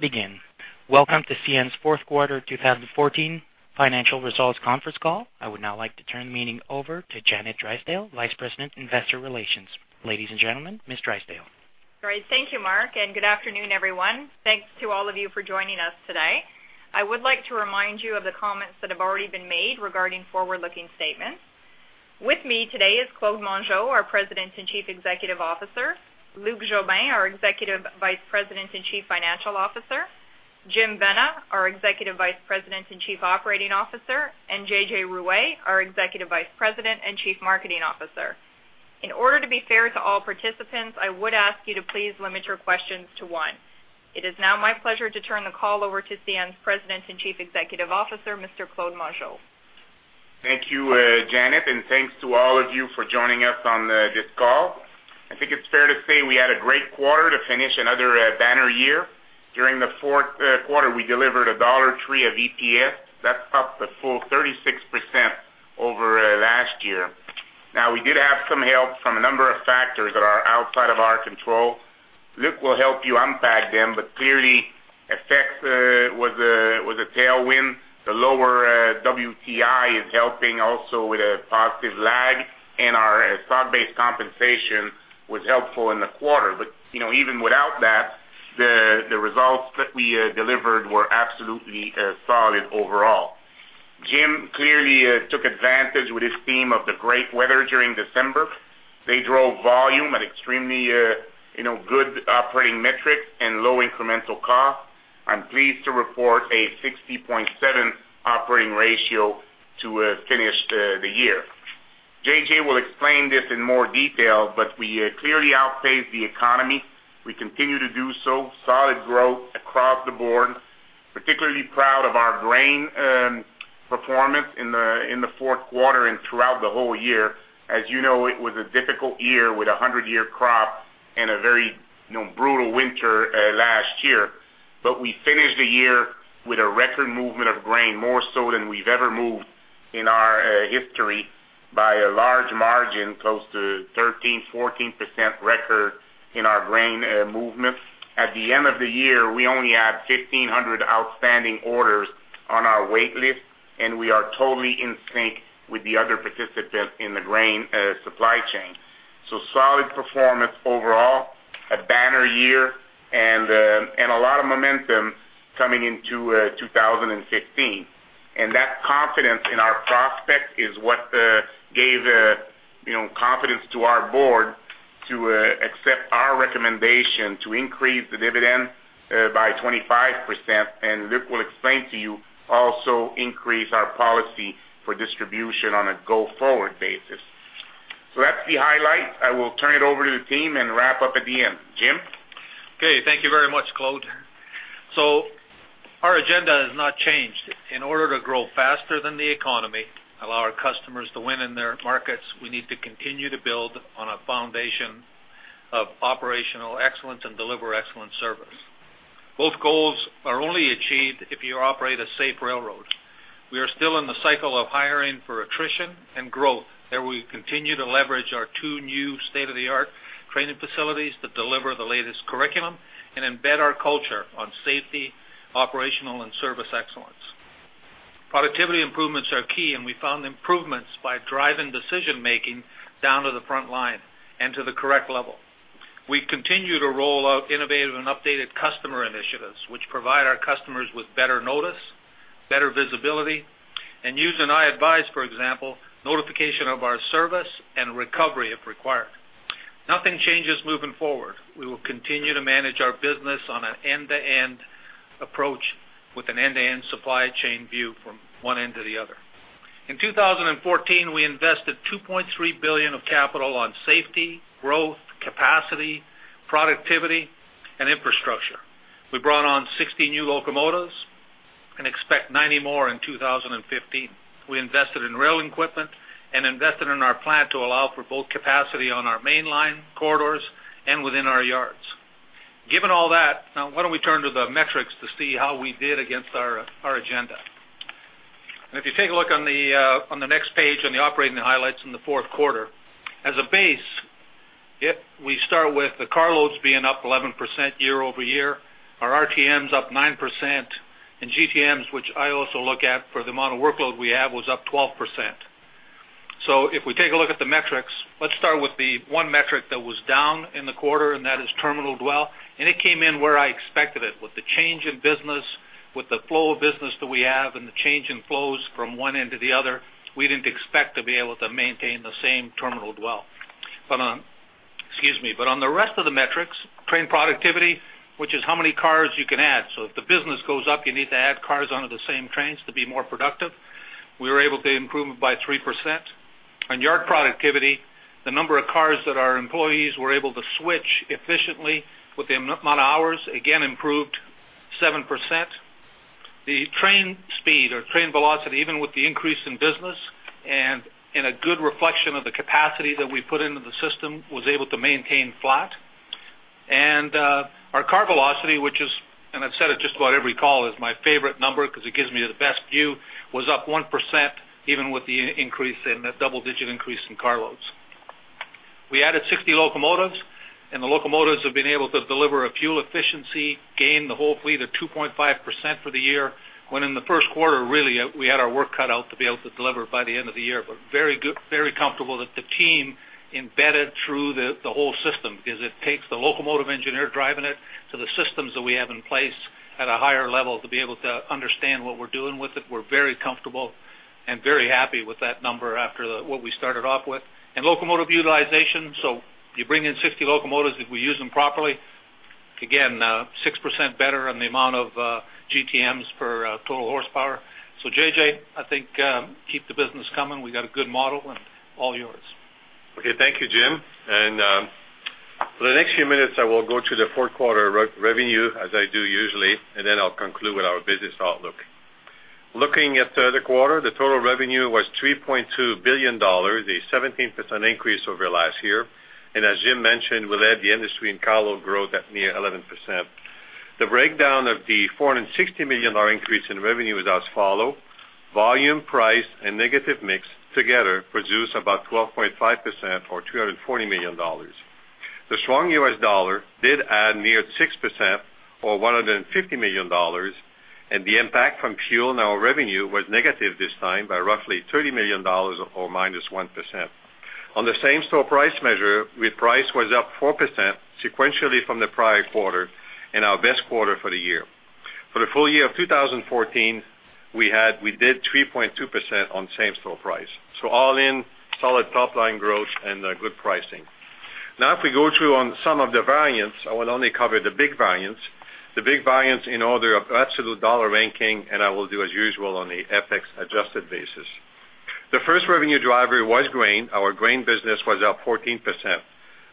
Begin. Welcome to CN's fourth quarter 2014 financial results conference call. I would now like to turn the meeting over to Janet Drysdale, Vice President, Investor Relations. Ladies and gentlemen, Ms. Drysdale. Great. Thank you, Mark, and good afternoon, everyone. Thanks to all of you for joining us today. I would like to remind you of the comments that have already been made regarding forward-looking statements. With me today is Claude Mongeau, our President and Chief Executive Officer. Luc Jobin, our Executive Vice President and Chief Financial Officer. Jim Vena, our Executive Vice President and Chief Operating Officer. And J.J. Ruest, our Executive Vice President and Chief Marketing Officer. In order to be fair to all participants, I would ask you to please limit your questions to one. It is now my pleasure to turn the call over to CN's President and Chief Executive Officer, Mr. Claude Mongeau. Thank you, Janet, and thanks to all of you for joining us on this call. I think it's fair to say we had a great quarter to finish another banner year. During the fourth quarter, we delivered $1.33 diluted EPS. That's up a full 36% over last year. Now, we did have some help from a number of factors that are outside of our control. Luc will help you unpack them, but clearly, FX effect was a tailwind. The lower WTI is helping also with a positive lag, and our stock-based compensation was helpful in the quarter. But you know, even without that, the results that we delivered were absolutely solid overall. Jim clearly took advantage with his team of the great weather during December. They drove volume at extremely, you know, good operating metrics and low incremental cost. I'm pleased to report a 60.7 operating ratio to finish the year. JJ will explain this in more detail, but we clearly outpaced the economy. We continue to do so. Solid growth across the board, particularly proud of our grain performance in the fourth quarter and throughout the whole year. As you know, it was a difficult year with a 100-year crop and a very, you know, brutal winter last year. But we finished the year with a record movement of grain, more so than we've ever moved in our history by a large margin, close to 13%-14% record in our grain movement. At the end of the year, we only had 1,500 outstanding orders on our wait list, and we are totally in sync with the other participants in the grain supply chain. So solid performance overall, a banner year, and a lot of momentum coming into 2015. And that confidence in our prospect is what gave you know, confidence to our board to accept our recommendation to increase the dividend by 25%, and Luc will explain to you, also increase our policy for distribution on a go-forward basis. So that's the highlight. I will turn it over to the team and wrap up at the end. Jim? Okay. Thank you very much, Claude. Our agenda has not changed. In order to grow faster than the economy, allow our customers to win in their markets, we need to continue to build on a foundation of operational excellence and deliver excellent service. Both goals are only achieved if you operate a safe railroad. We are still in the cycle of hiring for attrition and growth, and we continue to leverage our two new state-of-the-art training facilities that deliver the latest curriculum and embed our culture on safety, operational, and service excellence. Productivity improvements are key, and we found improvements by driving decision-making down to the front line and to the correct level. We continue to roll out innovative and updated customer initiatives, which provide our customers with better notice, better visibility, and using iAdvise, for example, notification of our service and recovery, if required. Nothing changes moving forward. We will continue to manage our business on an end-to-end approach with an end-to-end supply chain view from one end to the other. In 2014, we invested $2.3 billion of capital on safety, growth, capacity, productivity, and infrastructure. We brought on 60 new locomotives and expect 90 more in 2015. We invested in rail equipment and invested in our plant to allow for both capacity on our mainline corridors and within our yards. Given all that, now, why don't we turn to the metrics to see how we did against our agenda? If you take a look on the next page, on the operating highlights in the fourth quarter, as a base, we start with the car loads being up 11% year-over-year, our RTMs up 9%, and GTMs, which I also look at for the amount of workload we have, was up 12%. So if we take a look at the metrics, let's start with the one metric that was down in the quarter, and that is terminal dwell, and it came in where I expected it. With the change in business, with the flow of business that we have and the change in flows from one end to the other, we didn't expect to be able to maintain the same terminal dwell. But on, excuse me. But on the rest of the metrics, train productivity, which is how many cars you can add. So if the business goes up, you need to add cars onto the same trains to be more productive. We were able to improve it by 3%. On yard productivity, the number of cars that our employees were able to switch efficiently with the amount of hours, again, improved 7%. The train speed or train velocity, even with the increase in business and in a good reflection of the capacity that we put into the system, was able to maintain flat. And, our car velocity, which is, and I've said it just about every call, is my favorite number because it gives me the best view, was up 1%, even with the increase in-- the double-digit increase in car loads.... We added 60 locomotives, and the locomotives have been able to deliver a fuel efficiency gain the whole fleet of 2.5% for the year, when in the first quarter, really, we had our work cut out to be able to deliver by the end of the year. But very good, very comfortable that the team embedded through the whole system, because it takes the locomotive engineer driving it to the systems that we have in place at a higher level to be able to understand what we're doing with it. We're very comfortable and very happy with that number after the what we started off with. And locomotive utilization, so you bring in 60 locomotives, if we use them properly, again, 6% better on the amount of GTMs per total horsepower. So JJ, I think, keep the business coming. We got a good model and all yours. Okay, thank you, Jim. For the next few minutes, I will go to the fourth quarter revenue, as I do usually, and then I'll conclude with our business outlook. Looking at the quarter, the total revenue was $3.2 billion, a 17% increase over last year. As Jim mentioned, we led the industry in carload growth at near 11%. The breakdown of the $460 million increase in revenue is as follows: volume, price, and negative mix together produce about 12.5% or $240 million. The strong U.S. dollar did add near 6% or $150 million, and the impact from fuel on our revenue was negative this time by roughly $30 million or -1%. On the same-store price measure, with price was up 4% sequentially from the prior quarter and our best quarter for the year. For the full year of 2014, we did 3.2% on same-store price. So all in, solid top-line growth and, good pricing. Now, if we go through on some of the variants, I will only cover the big variants, the big variants in order of absolute dollar ranking, and I will do as usual on the FX-adjusted basis. The first revenue driver was grain. Our grain business was up 14%.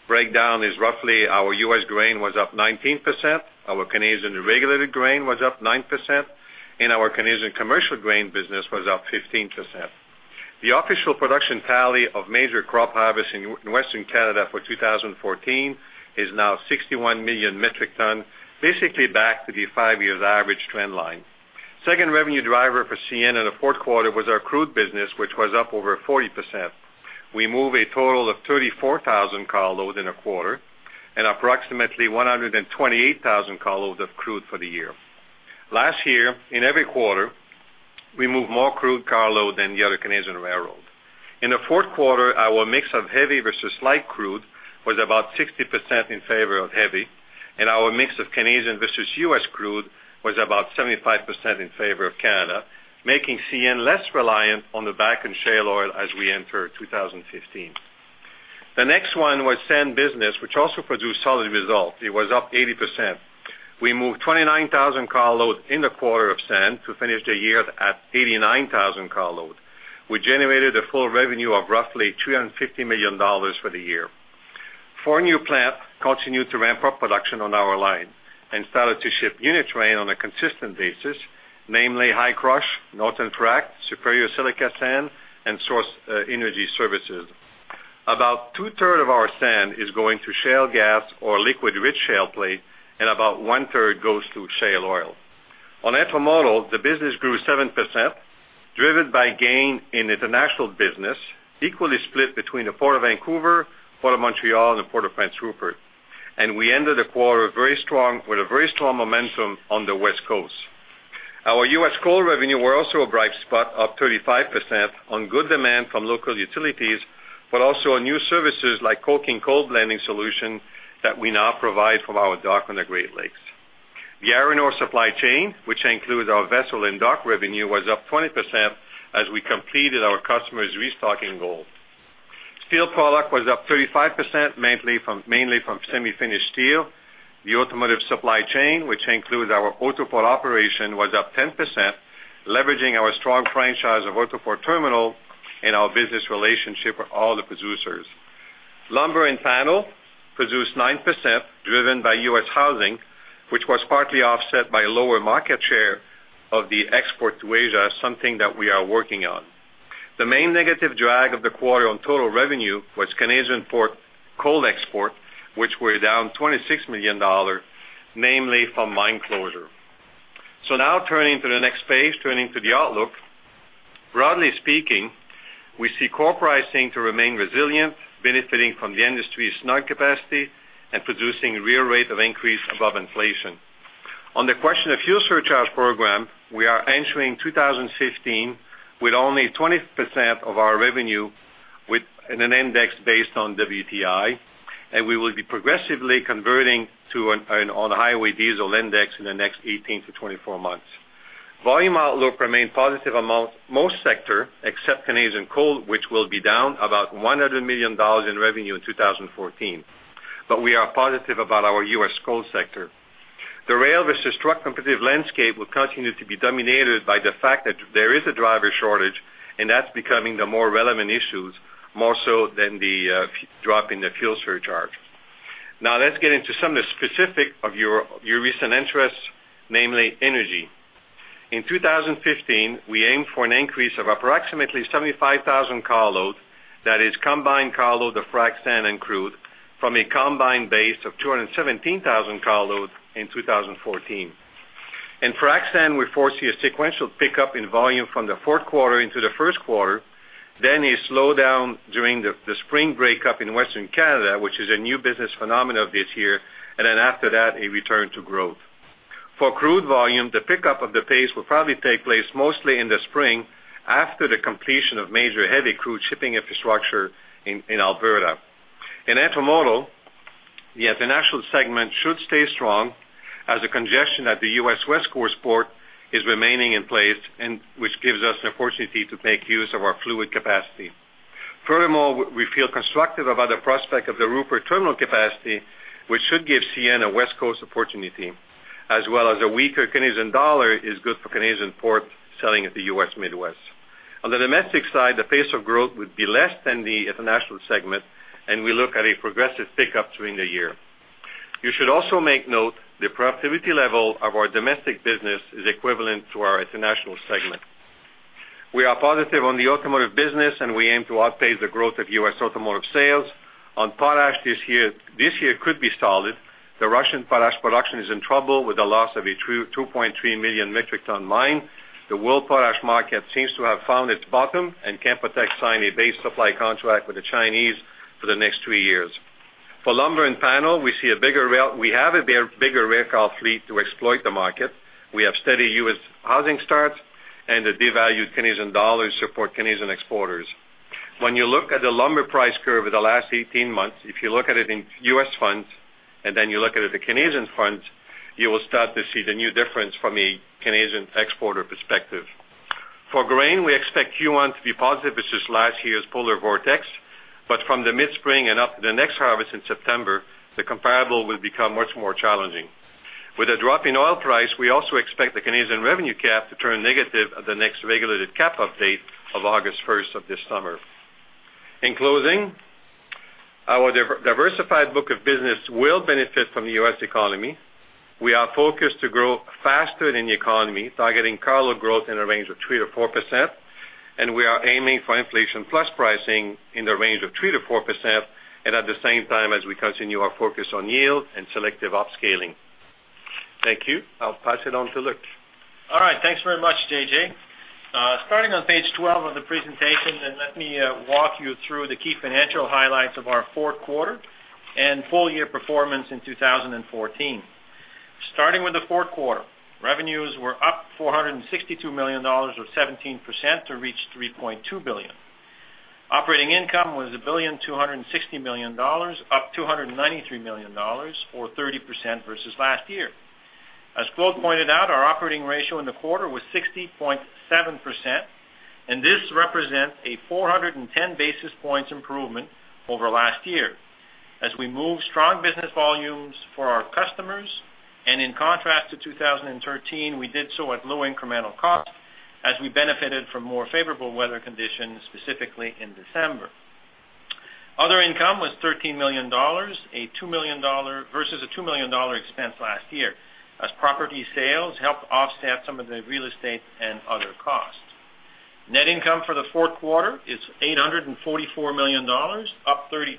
Breakdown is roughly our U.S. grain was up 19%, our Canadian regulated grain was up 9%, and our Canadian commercial grain business was up 15%. The official production tally of major crop harvest in Western Canada for 2014 is now 61 million metric ton, basically back to the 5-year average trend line. Second revenue driver for CN in the fourth quarter was our crude business, which was up over 40%. We moved a total of 34,000 carload in a quarter and approximately 128,000 carload of crude for the year. Last year, in every quarter, we moved more crude carload than the other Canadian railroad. In the fourth quarter, our mix of heavy versus light crude was about 60% in favor of heavy, and our mix of Canadian versus U.S. crude was about 75% in favor of Canada, making CN less reliant on the Bakken shale oil as we enter 2015. The next one was sand business, which also produced solid results. It was up 80%. We moved 29,000 carloads in the quarter of sand to finish the year at 89,000 carloads, which generated a full revenue of roughly $350 million for the year. Four new plants continued to ramp up production on our line and started to ship unit trains on a consistent basis, namely Hi-Crush, Northern Frac, Superior Silica Sands, and Source Energy Services. About two-thirds of our sand is going to shale gas or liquid-rich shale plays, and about one-third goes to shale oil. On intermodal, the business grew 7%, driven by gains in international business, equally split between the Port of Vancouver, Port of Montreal, and the Port of Prince Rupert. We ended the quarter very strong, with a very strong momentum on the West Coast. Our U.S. coal revenue were also a bright spot, up 35% on good demand from local utilities, but also on new services like coke and coal blending solution that we now provide from our dock on the Great Lakes. The iron ore supply chain, which includes our vessel and dock revenue, was up 20% as we completed our customers' restocking goal. Steel product was up 35%, mainly from, mainly from semi-finished steel. The automotive supply chain, which includes our Autoport operation, was up 10%, leveraging our strong franchise of Autoport terminal and our business relationship with all the producers. Lumber and panel produced 9%, driven by U.S. housing, which was partly offset by lower market share of the export to Asia, something that we are working on. The main negative drag of the quarter on total revenue was Canadian port coal exports, which were down $26 million, mainly from mine closure. So now turning to the next page, turning to the outlook. Broadly speaking, we see core pricing to remain resilient, benefiting from the industry's snug capacity and producing real rate of increase above inflation. On the question of fuel surcharge program, we are entering 2015 with only 20% of our revenue with in an index based on WTI, and we will be progressively converting to an on-highway diesel index in the next 18 months-24 months. Volume outlook remained positive among most sectors, except Canadian coal, which will be down about $100 million in revenue in 2014, but we are positive about our U.S. coal sector. The rail versus truck competitive landscape will continue to be dominated by the fact that there is a driver shortage, and that's becoming the more relevant issues, more so than the drop in the fuel surcharge. Now, let's get into some of the specific of your recent interests, namely energy. In 2015, we aim for an increase of approximately 75,000 carload that is combined carload of frac sand and crude from a combined base of 217,000 carload in 2014, and for frac sand, we foresee a sequential pickup in volume from the fourth quarter into the first quarter, then a slowdown during the spring breakup in Western Canada, which is a new business phenomenon this year, and then after that, a return to growth. For crude volume, the pickup of the pace will probably take place mostly in the spring after the completion of major heavy crude shipping infrastructure in Alberta. In Intermodal, the international segment should stay strong as the congestion at the U.S. West Coast port is remaining in place, and which gives us an opportunity to make use of our fluid capacity. Furthermore, we feel constructive about the prospect of the Rupert terminal capacity, which should give CN a West Coast opportunity, as well as a weaker Canadian dollar is good for Canadian ports selling at the U.S. Midwest. On the domestic side, the pace of growth would be less than the international segment, and we look at a progressive pickup during the year. You should also make note, the productivity level of our domestic business is equivalent to our international segment. We are positive on the automotive business, and we aim to outpace the growth of U.S. automotive sales. On potash this year, this year could be solid. The Russian potash production is in trouble with the loss of a 2.3 million metric ton mine. The world potash market seems to have found its bottom, and Canpotex signed a base supply contract with the Chinese for the next 3 years. For lumber and panel, we see a bigger rail car fleet to exploit the market. We have steady U.S. housing starts, and the devalued Canadian dollar support Canadian exporters. When you look at the lumber price curve over the last 18 months, if you look at it in U.S. funds, and then you look at it in Canadian funds, you will start to see the new difference from a Canadian exporter perspective. For grain, we expect Q1 to be positive versus last year's polar vortex, but from the mid-spring and up the next harvest in September, the comparable will become much more challenging. With a drop in oil price, we also expect the Canadian revenue cap to turn negative at the next regulated cap update of August first of this summer. In closing, our diversified book of business will benefit from the U.S. economy. We are focused to grow faster than the economy, targeting cargo growth in a range of 3%-4%, and we are aiming for inflation plus pricing in the range of 3%-4%, and at the same time, as we continue our focus on yield and selective upscaling. Thank you. I'll pass it on to Luc. All right. Thanks very much, JJ. Starting on page 12 of the presentation, then let me walk you through the key financial highlights of our fourth quarter and full year performance in 2014. Starting with the fourth quarter, revenues were up $462 million, or 17%, to reach $3.2 billion. Operating income was $1.26 billion, up $293 million or 30% versus last year. As Claude pointed out, our operating ratio in the quarter was 60.7%, and this represents a 410 basis points improvement over last year. As we move strong business volumes for our customers, and in contrast to 2013, we did so at low incremental cost, as we benefited from more favorable weather conditions, specifically in December. Other income was $13 million, a $2 million versus a $2 million expense last year, as property sales helped offset some of the real estate and other costs. Net income for the fourth quarter is $844 million, up 33%,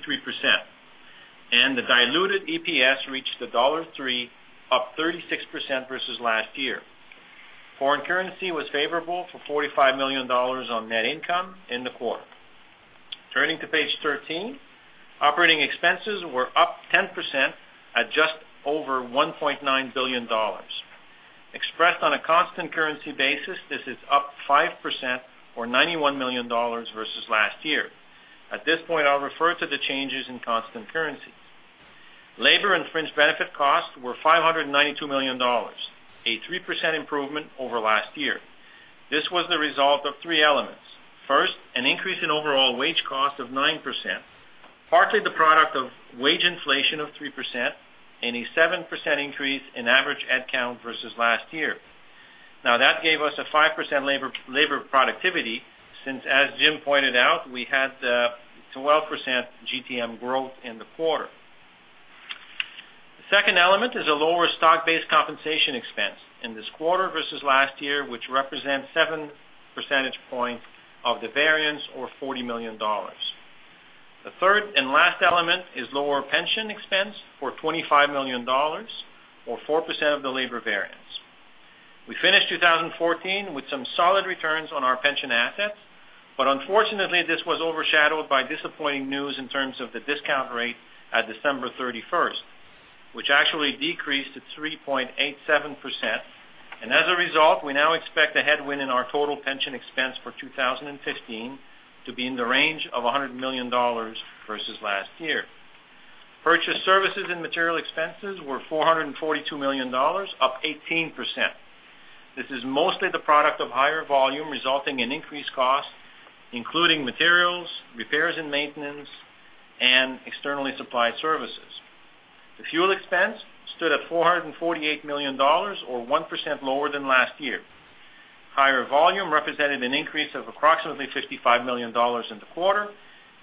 and the diluted EPS reached $1.03, up 36% versus last year. Foreign currency was favorable for $45 million on net income in the quarter. Turning to page 13, operating expenses were up 10% at just over $1.9 billion. Expressed on a constant currency basis, this is up 5% or $91 million versus last year. At this point, I'll refer to the changes in constant currencies. Labor and fringe benefit costs were $592 million, a 3% improvement over last year. This was the result of three elements. First, an increase in overall wage cost of 9%, partly the product of wage inflation of 3% and a 7% increase in average headcount versus last year. Now, that gave us a 5% labor productivity, since, as Jim pointed out, we had a 12% GTM growth in the quarter. The second element is a lower stock-based compensation expense in this quarter versus last year, which represents seven percentage points of the variance or $40 million. The third and last element is lower pension expense for $25 million or 4% of the labor variance. We finished 2014 with some solid returns on our pension assets, but unfortunately, this was overshadowed by disappointing news in terms of the discount rate at December 31, which actually decreased to 3.87%, and as a result, we now expect a headwind in our total pension expense for 2015 to be in the range of $100 million versus last year. Purchased services and material expenses were $442 million, up 18%. This is mostly the product of higher volume, resulting in increased costs, including materials, repairs and maintenance, and externally supplied services. The fuel expense stood at $448 million, or 1% lower than last year. Higher volume represented an increase of approximately $55 million in the quarter,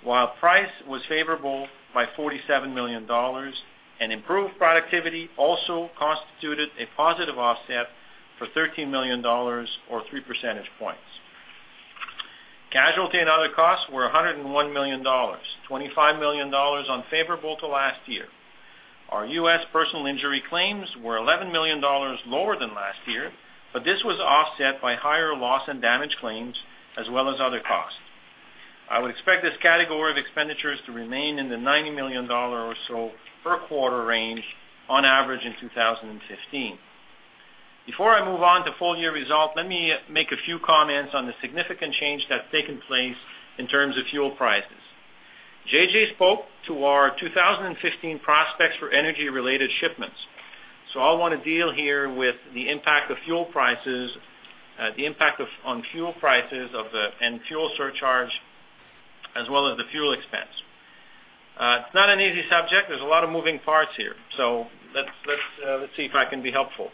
while price was favorable by $47 million, and improved productivity also constituted a positive offset for $13 million or 3 percentage points. Casualty and other costs were $101 million, $25 million unfavorable to last year. Our U.S. personal injury claims were $11 million lower than last year, but this was offset by higher loss and damage claims, as well as other costs. I would expect this category of expenditures to remain in the $90 million or so per quarter range on average in 2015. Before I move on to full year results, let me make a few comments on the significant change that's taken place in terms of fuel prices. JJ spoke to our 2015 prospects for energy-related shipments, so I want to deal here with the impact of fuel prices, the impact of fuel prices on fuel surcharge, as well as the fuel expense. It's not an easy subject. There's a lot of moving parts here, so let's see if I can be helpful.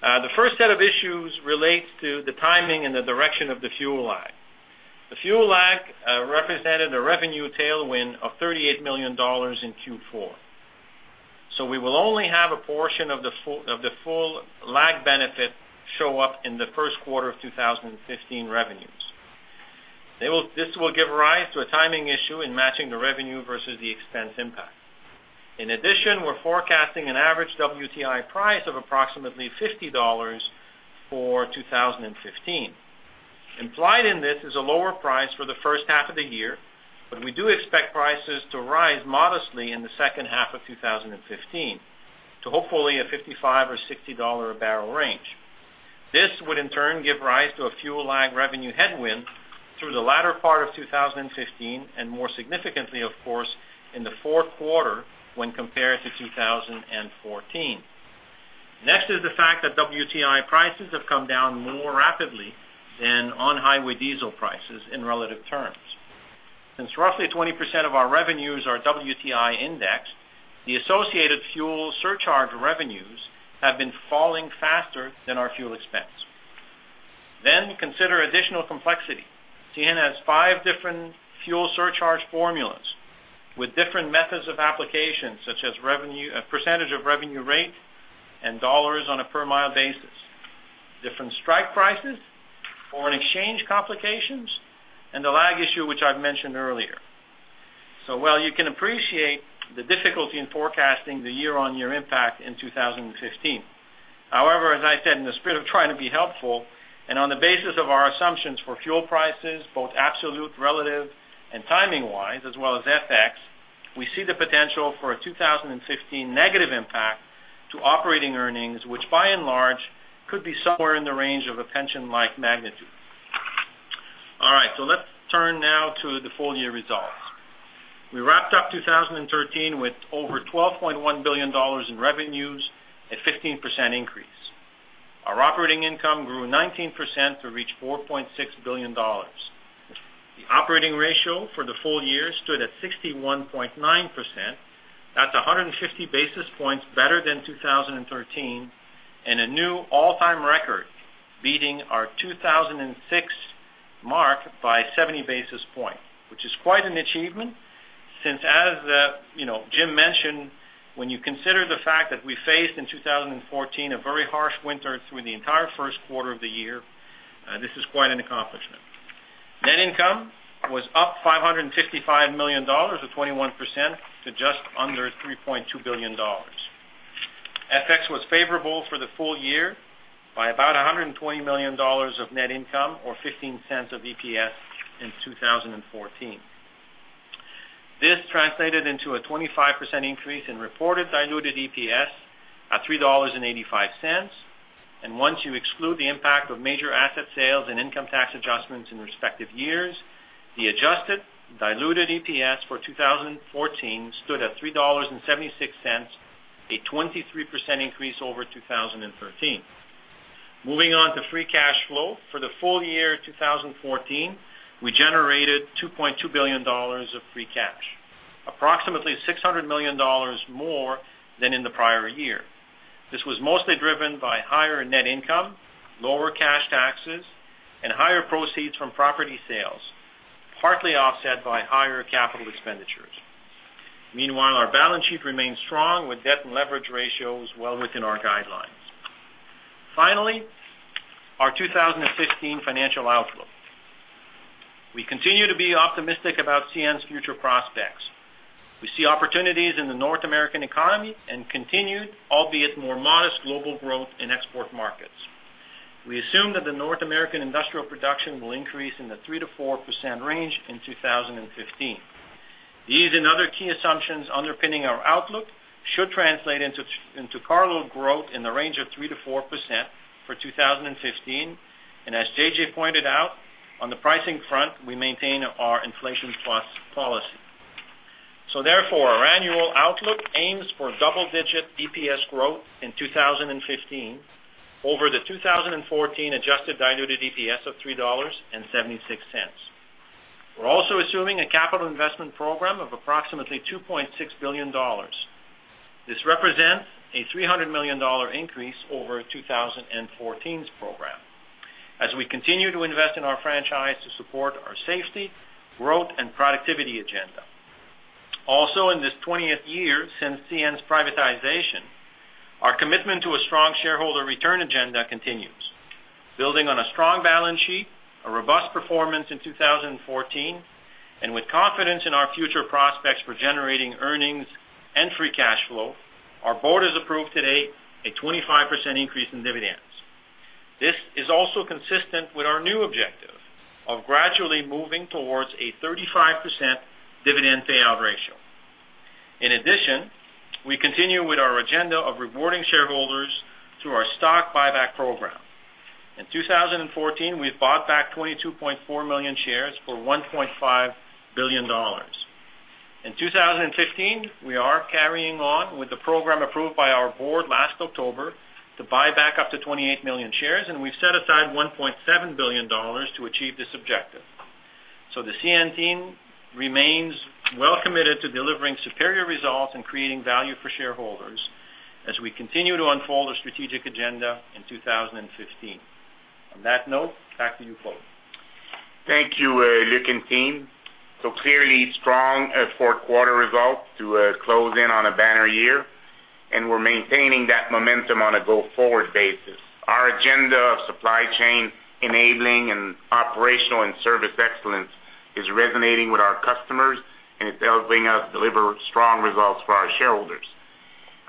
The first set of issues relates to the timing and the direction of the fuel lag. The fuel lag represented a revenue tailwind of $38 million in Q4. So we will only have a portion of the full lag benefit show up in the first quarter of 2015 revenues. This will give rise to a timing issue in matching the revenue versus the expense impact. In addition, we're forecasting an average WTI price of approximately $50 for 2015. Implied in this is a lower price for the first half of the year, but we do expect prices to rise modestly in the second half of 2015 to, hopefully, a $55-$60 per barrel range. This would, in turn, give rise to a fuel lag revenue headwind through the latter part of 2015, and more significantly, of course, in the fourth quarter when compared to 2014. Next is the fact that WTI prices have come down more rapidly than on-highway diesel prices in relative terms. Since roughly 20% of our revenues are WTI indexed, the associated fuel surcharge revenues have been falling faster than our fuel expense. Then, consider additional complexity. CN has five different fuel surcharge formulas with different methods of application, such as revenue, a percentage of revenue rate and dollars on a per mile basis, different strike prices, foreign exchange complications, and the lag issue, which I've mentioned earlier. So well, you can appreciate the difficulty in forecasting the year-on-year impact in 2015. However, as I said, in the spirit of trying to be helpful and on the basis of our assumptions for fuel prices, both absolute, relative, and timing-wise, as well as FX, we see the potential for a 2015 negative impact to operating earnings, which by and large, could be somewhere in the range of a pension-like magnitude. All right, so let's turn now to the full year results. We wrapped up 2013 with over $12.1 billion in revenues, a 15% increase. Our operating income grew 19% to reach $4.6 billion. The operating ratio for the full year stood at 61.9%. That's 150 basis points better than 2013, and a new all-time record, beating our 2006 mark by 70 basis points, which is quite an achievement since, as you know, Jim mentioned, when you consider the fact that we faced in 2014, a very harsh winter through the entire first quarter of the year, this is quite an accomplishment. Net income was up $555 million, or 21%, to just under $3.2 billion. FX was favorable for the full year by about $120 million of net income, or 15 cents of EPS in 2014. This translated into a 25% increase in reported diluted EPS at $3.85. Once you exclude the impact of major asset sales and income tax adjustments in respective years, the adjusted diluted EPS for 2014 stood at $3.76, a 23% increase over 2013. Moving on to free cash flow. For the full year 2014, we generated $2.2 billion of free cash, approximately $600 million more than in the prior year. This was mostly driven by higher net income, lower cash taxes, and higher proceeds from property sales, partly offset by higher capital expenditures. Meanwhile, our balance sheet remains strong, with debt and leverage ratios well within our guidelines. Finally, our 2015 financial outlook. We continue to be optimistic about CN's future prospects. We see opportunities in the North American economy and continued, albeit more modest, global growth in export markets. We assume that the North American industrial production will increase in the 3%-4% range in 2015. These and other key assumptions underpinning our outlook should translate into cargo growth in the range of 3%-4% for 2015. And as JJ pointed out, on the pricing front, we maintain our inflation plus policy. So therefore, our annual outlook aims for double-digit EPS growth in 2015 over the 2014 adjusted diluted EPS of $3.76. We're also assuming a capital investment program of approximately $2.6 billion. This represents a $300 million increase over 2014's program as we continue to invest in our franchise to support our safety, growth, and productivity agenda. Also, in this 20th year since CN's privatization, our commitment to a strong shareholder return agenda continues. Building on a strong balance sheet, a robust performance in 2014, and with confidence in our future prospects for generating earnings and free cash flow, our board has approved today a 25% increase in dividends. This is also consistent with our new objective of gradually moving towards a 35% dividend payout ratio. In addition, we continue with our agenda of rewarding shareholders through our stock buyback program. In 2014, we've bought back 22.4 million shares for $1.5 billion. In 2015, we are carrying on with the program approved by our board last October to buy back up to 28 million shares, and we've set aside $1.7 billion to achieve this objective. So the CN team remains well committed to delivering superior results and creating value for shareholders as we continue to unfold our strategic agenda in 2015. On that note, back to you, Claude. Thank you, Luc and team. So clearly strong, fourth quarter results to close in on a banner year, and we're maintaining that momentum on a go-forward basis. Our agenda of supply chain enabling and operational and service excellence is resonating with our customers, and it's helping us deliver strong results for our shareholders.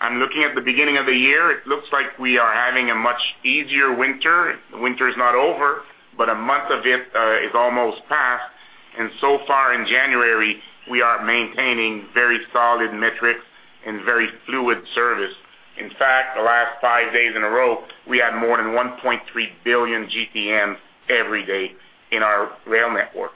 I'm looking at the beginning of the year, it looks like we are having a much easier winter. Winter is not over, but a month of it is almost passed, and so far in January, we are maintaining very solid metrics and very fluid service. In fact, the last five days in a row, we had more than 1.3 billion GTMs every day in our rail network.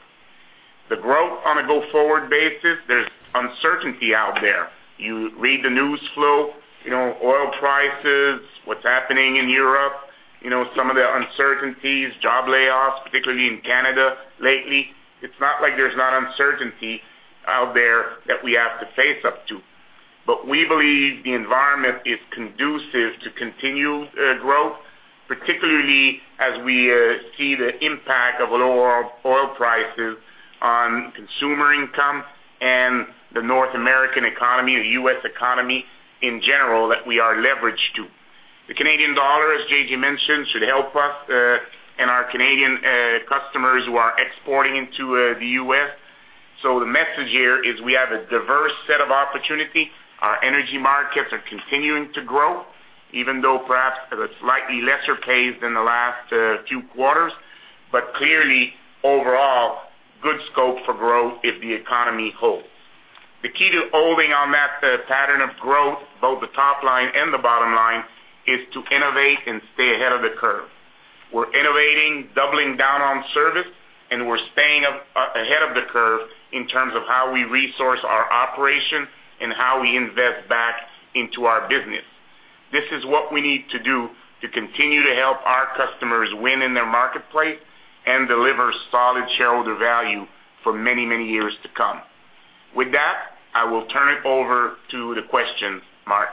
The growth on a go-forward basis, there's uncertainty out there. You read the news flow, you know, oil prices, what's happening in Europe, you know, some of the uncertainties, job layoffs, particularly in Canada lately. It's not like there's not uncertainty out there that we have to face up to. But we believe the environment is conducive to continued growth, particularly as we see the impact of lower oil prices on consumer income and the North American economy, the U.S. economy in general, that we are leveraged to. The Canadian dollar, as JJ mentioned, should help us, and our Canadian customers who are exporting into the U.S. So the message here is we have a diverse set of opportunity. Our energy markets are continuing to grow, even though perhaps at a slightly lesser pace than the last two quarters. But clearly, overall, good scope for growth if the economy holds. The key to holding on that, pattern of growth, both the top line and the bottom line, is to innovate and stay ahead of the curve. We're innovating, doubling down on service, and we're staying up, ahead of the curve in terms of how we resource our operation and how we invest back into our business. This is what we need to do to continue to help our customers win in their marketplace and deliver solid shareholder value for many, many years to come. With that, I will turn it over to the questions. Mark?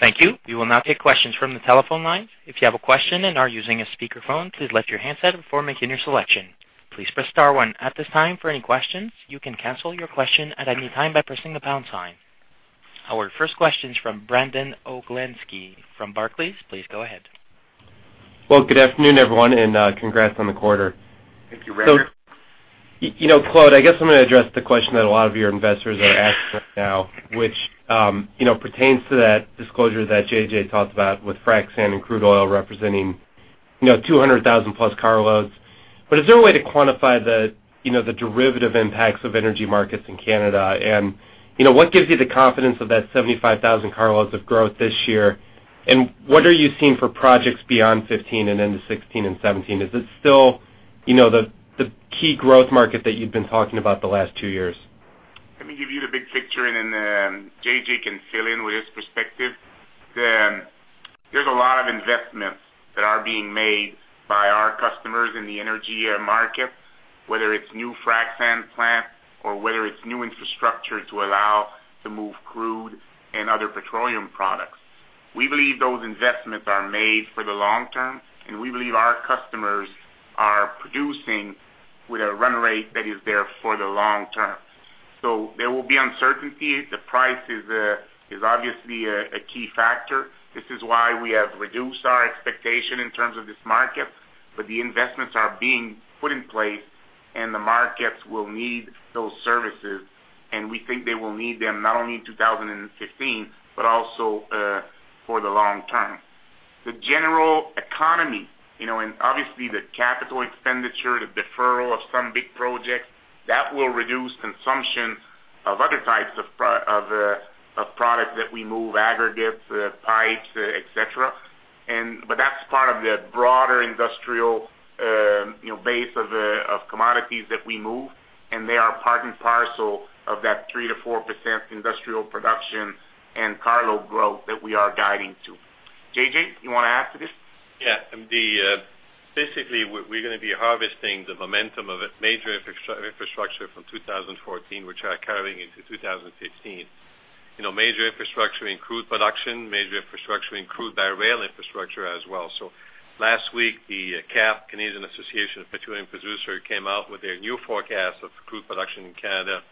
Thank you. We will now take questions from the telephone lines. If you have a question and are using a speakerphone, please lift your handset before making your selection. Please press star one at this time for any questions. You can cancel your question at any time by pressing the pound sign. Our first question is from Brandon Oglenski from Barclays. Please go ahead. Well, good afternoon, everyone, and congrats on the quarter. Thank you, Brandon. You know, Claude, I guess I'm gonna address the question that a lot of your investors are asking right now, which, you know, pertains to that disclosure that JJ talked about with frac sand and crude oil representing, you know, 200,000+ carloads. But is there a way to quantify the, you know, the derivative impacts of energy markets in Canada? And, you know, what gives you the confidence of that 75,000 carloads of growth this year, and what are you seeing for projects beyond 2015 and into 2016 and 2017? Is it still, you know, the, the key growth market that you've been talking about the last two years? Let me give you the big picture, and then JJ can fill in with his perspective. There's a lot of investments that are being made by our customers in the energy market, whether it's new frac sand plants or whether it's new infrastructure to allow to move crude and other petroleum products. We believe those investments are made for the long term, and we believe our customers are producing with a run rate that is there for the long term. So there will be uncertainty. The price is obviously a key factor. This is why we have reduced our expectation in terms of this market, but the investments are being put in place, and the markets will need those services, and we think they will need them not only in 2015, but also for the long term. The general economy, you know, and obviously the capital expenditure, the deferral of some big projects, that will reduce consumption of other types of products that we move, aggregates, pipes, et cetera. But that's part of the broader industrial, you know, base of commodities that we move, and they are part and parcel of that 3%-4% industrial production and carload growth that we are guiding to. JJ, you wanna add to this? Yeah. And basically, we're gonna be harvesting the momentum of a major infrastructure from 2014, which are carrying into 2015.... you know, major infrastructure in crude production, major infrastructure in crude by rail infrastructure as well. So last week, the CAPP, Canadian Association of Petroleum Producer, came out with their new forecast of crude production in Canada,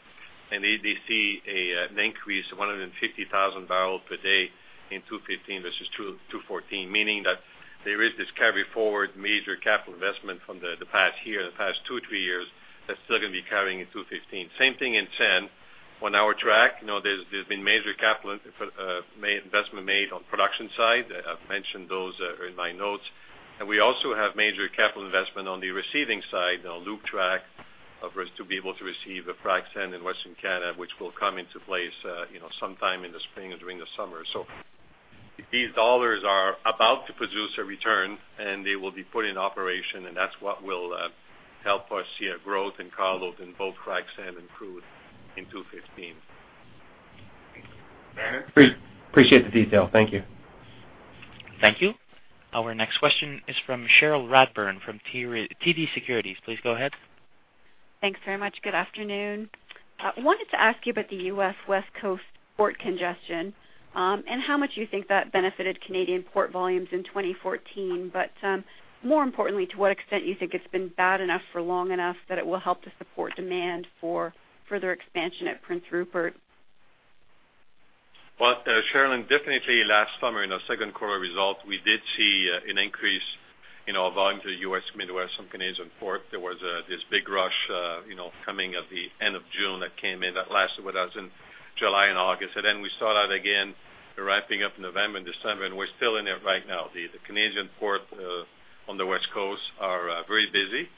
and they, they see a, an increase of 150,000 barrels per day in 2015 versus 2014, meaning that there is this carry forward major capital investment from the, the past year, the past two, three years, that's still gonna be carrying in 2015. Same thing in sand. On our track, you know, there's, there's been major capital investment made on production side. I've mentioned those, in my notes. We also have major capital investment on the receiving side, on loop track, of course, to be able to receive the frac sand in Western Canada, which will come into place, you know, sometime in the spring or during the summer. These dollars are about to produce a return, and they will be put in operation, and that's what will help us see a growth in carload in both frac sand and crude in 2015. Great. Appreciate the detail. Thank you. Thank you. Our next question is from Cheryl Radburn from TD, TD Securities. Please go ahead. Thanks very much. Good afternoon. Wanted to ask you about the U.S. West Coast port congestion, and how much you think that benefited Canadian port volumes in 2014. But, more importantly, to what extent you think it's been bad enough for long enough that it will help to support demand for further expansion at Prince Rupert? Well, Cheryl, definitely last summer, in our second quarter results, we did see an increase in our volume to the U.S. Midwest from Canadian port. There was this big rush, you know, coming at the end of June that came in. That lasted with us in July and August. And then we saw that again, ramping up November and December, and we're still in it right now. The Canadian port on the West Coast are very busy,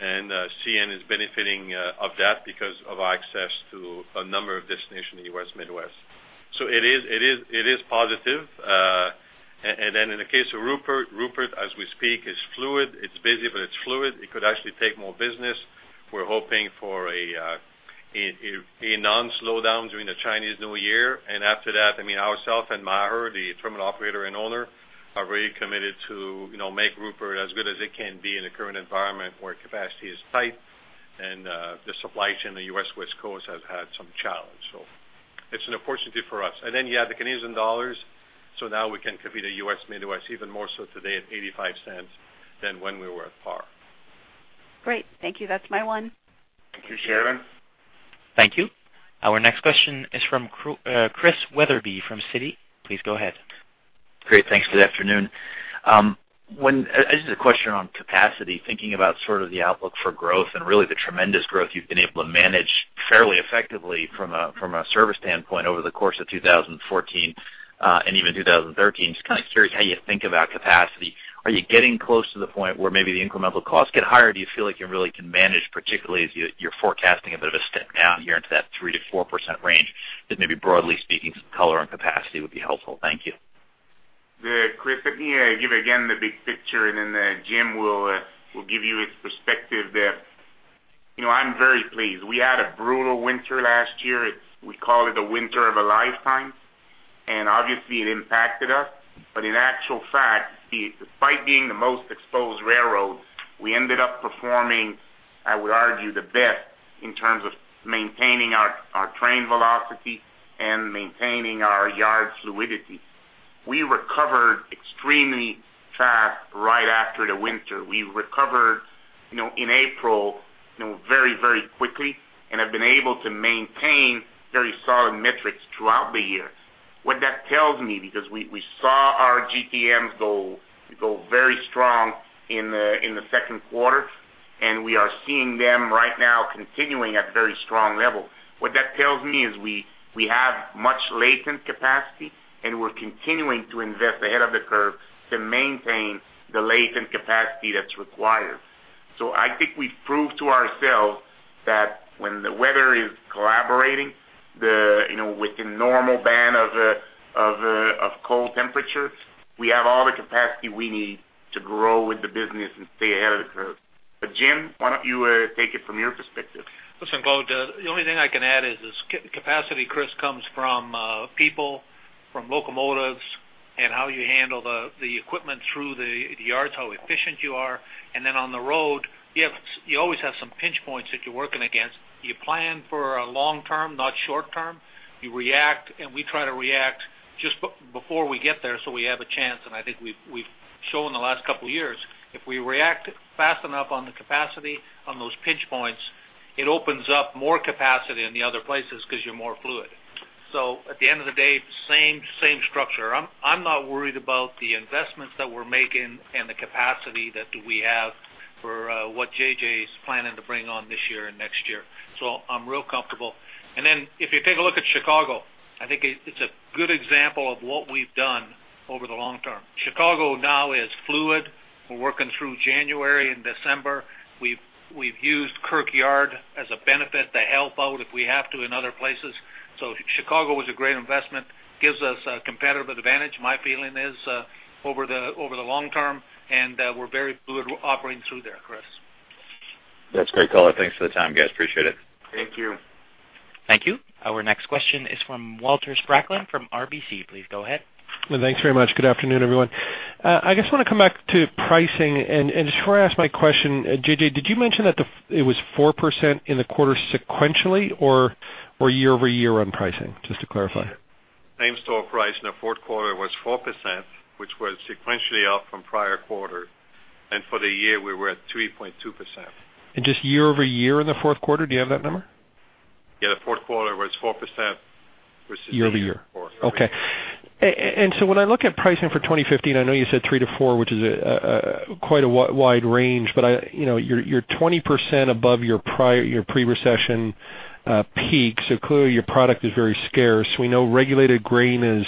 and CN is benefiting of that because of our access to a number of destinations in the U.S. Midwest. So it is, it is, it is positive. And then in the case of Rupert, Rupert, as we speak, is fluid. It's busy, but it's fluid. It could actually take more business. We're hoping for a non-slowdown during the Chinese New Year. And after that, I mean, ourselves and Maher, the terminal operator and owner, are very committed to, you know, make Rupert as good as it can be in the current environment, where capacity is tight and the supply chain in the U.S. West Coast has had some challenge. So it's an opportunity for us. And then, you add the Canadian dollar, so now we can compete in the U.S. Midwest even more so today at $0.85 than when we were at par. Great. Thank you. That's my one. Thank you, Cheryl. Thank you. Our next question is from Chris Wetherby from Citi. Please go ahead. Great. Thanks. Good afternoon. This is a question on capacity, thinking about sort of the outlook for growth and really the tremendous growth you've been able to manage fairly effectively from a service standpoint over the course of 2014, and even 2013. Just kind of curious how you think about capacity. Are you getting close to the point where maybe the incremental costs get higher? Do you feel like you really can manage, particularly as you, you're forecasting a bit of a step down here into that 3%-4% range? Just maybe broadly speaking, some color on capacity would be helpful. Thank you. Chris, let me give again the big picture, and then Jim will give you his perspective there. You know, I'm very pleased. We had a brutal winter last year. It's, we call it the winter of a lifetime, and obviously it impacted us. But in actual fact, despite being the most exposed railroad, we ended up performing, I would argue, the best in terms of maintaining our train velocity and maintaining our yard fluidity. We recovered extremely fast right after the winter. We recovered, you know, in April, you know, very, very quickly and have been able to maintain very solid metrics throughout the year. What that tells me, because we saw our GTMs go very strong in the second quarter, and we are seeing them right now continuing at very strong levels. What that tells me is we have much latent capacity, and we're continuing to invest ahead of the curve to maintain the latent capacity that's required. So I think we've proved to ourselves that when the weather is collaborating, you know, within normal band of cold temperatures, we have all the capacity we need to grow with the business and stay ahead of the curve. But Jim, why don't you take it from your perspective? Listen, Claude, the only thing I can add is this: capacity, Chris, comes from people, from locomotives, and how you handle the equipment through the yards, how efficient you are. And then on the road, you always have some pinch points that you're working against. You plan for long term, not short term. You react, and we try to react just before we get there, so we have a chance. And I think we've shown the last couple of years, if we react fast enough on the capacity on those pinch points, it opens up more capacity in the other places because you're more fluid. So at the end of the day, same, same structure. I'm, I'm not worried about the investments that we're making and the capacity that we have for what JJ is planning to bring on this year and next year. So I'm real comfortable. And then, if you take a look at Chicago, I think it, it's a good example of what we've done over the long term. Chicago now is fluid. We're working through January and December. We've, we've used Kirk Yard as a benefit to help out if we have to in other places. So Chicago was a great investment, gives us a competitive advantage, my feeling is, over the, over the long term, and we're very fluid operating through there, Chris. That's great color. Thanks for the time, guys. Appreciate it. Thank you. Thank you. Our next question is from Walter Spracklin, from RBC. Please go ahead. Thanks very much. Good afternoon, everyone.I just want to come back to pricing, and just before I ask my question, JJ, did you mention that it was 4% in the quarter sequentially, or year-over-year on pricing? Just to clarify. Same-store price in the fourth quarter was 4%, which was sequentially up from prior quarter, and for the year, we were at 3.2%. Just year-over-year in the fourth quarter, do you have that number? Yeah, the fourth quarter was 4%, which is- Year-over-year. Four. Okay. And so when I look at pricing for 2015, I know you said 3%-4%, which is quite a wide range, but I, you know, you're 20% above your pre-recession peak, so clearly, your product is very scarce. We know regulated grain is,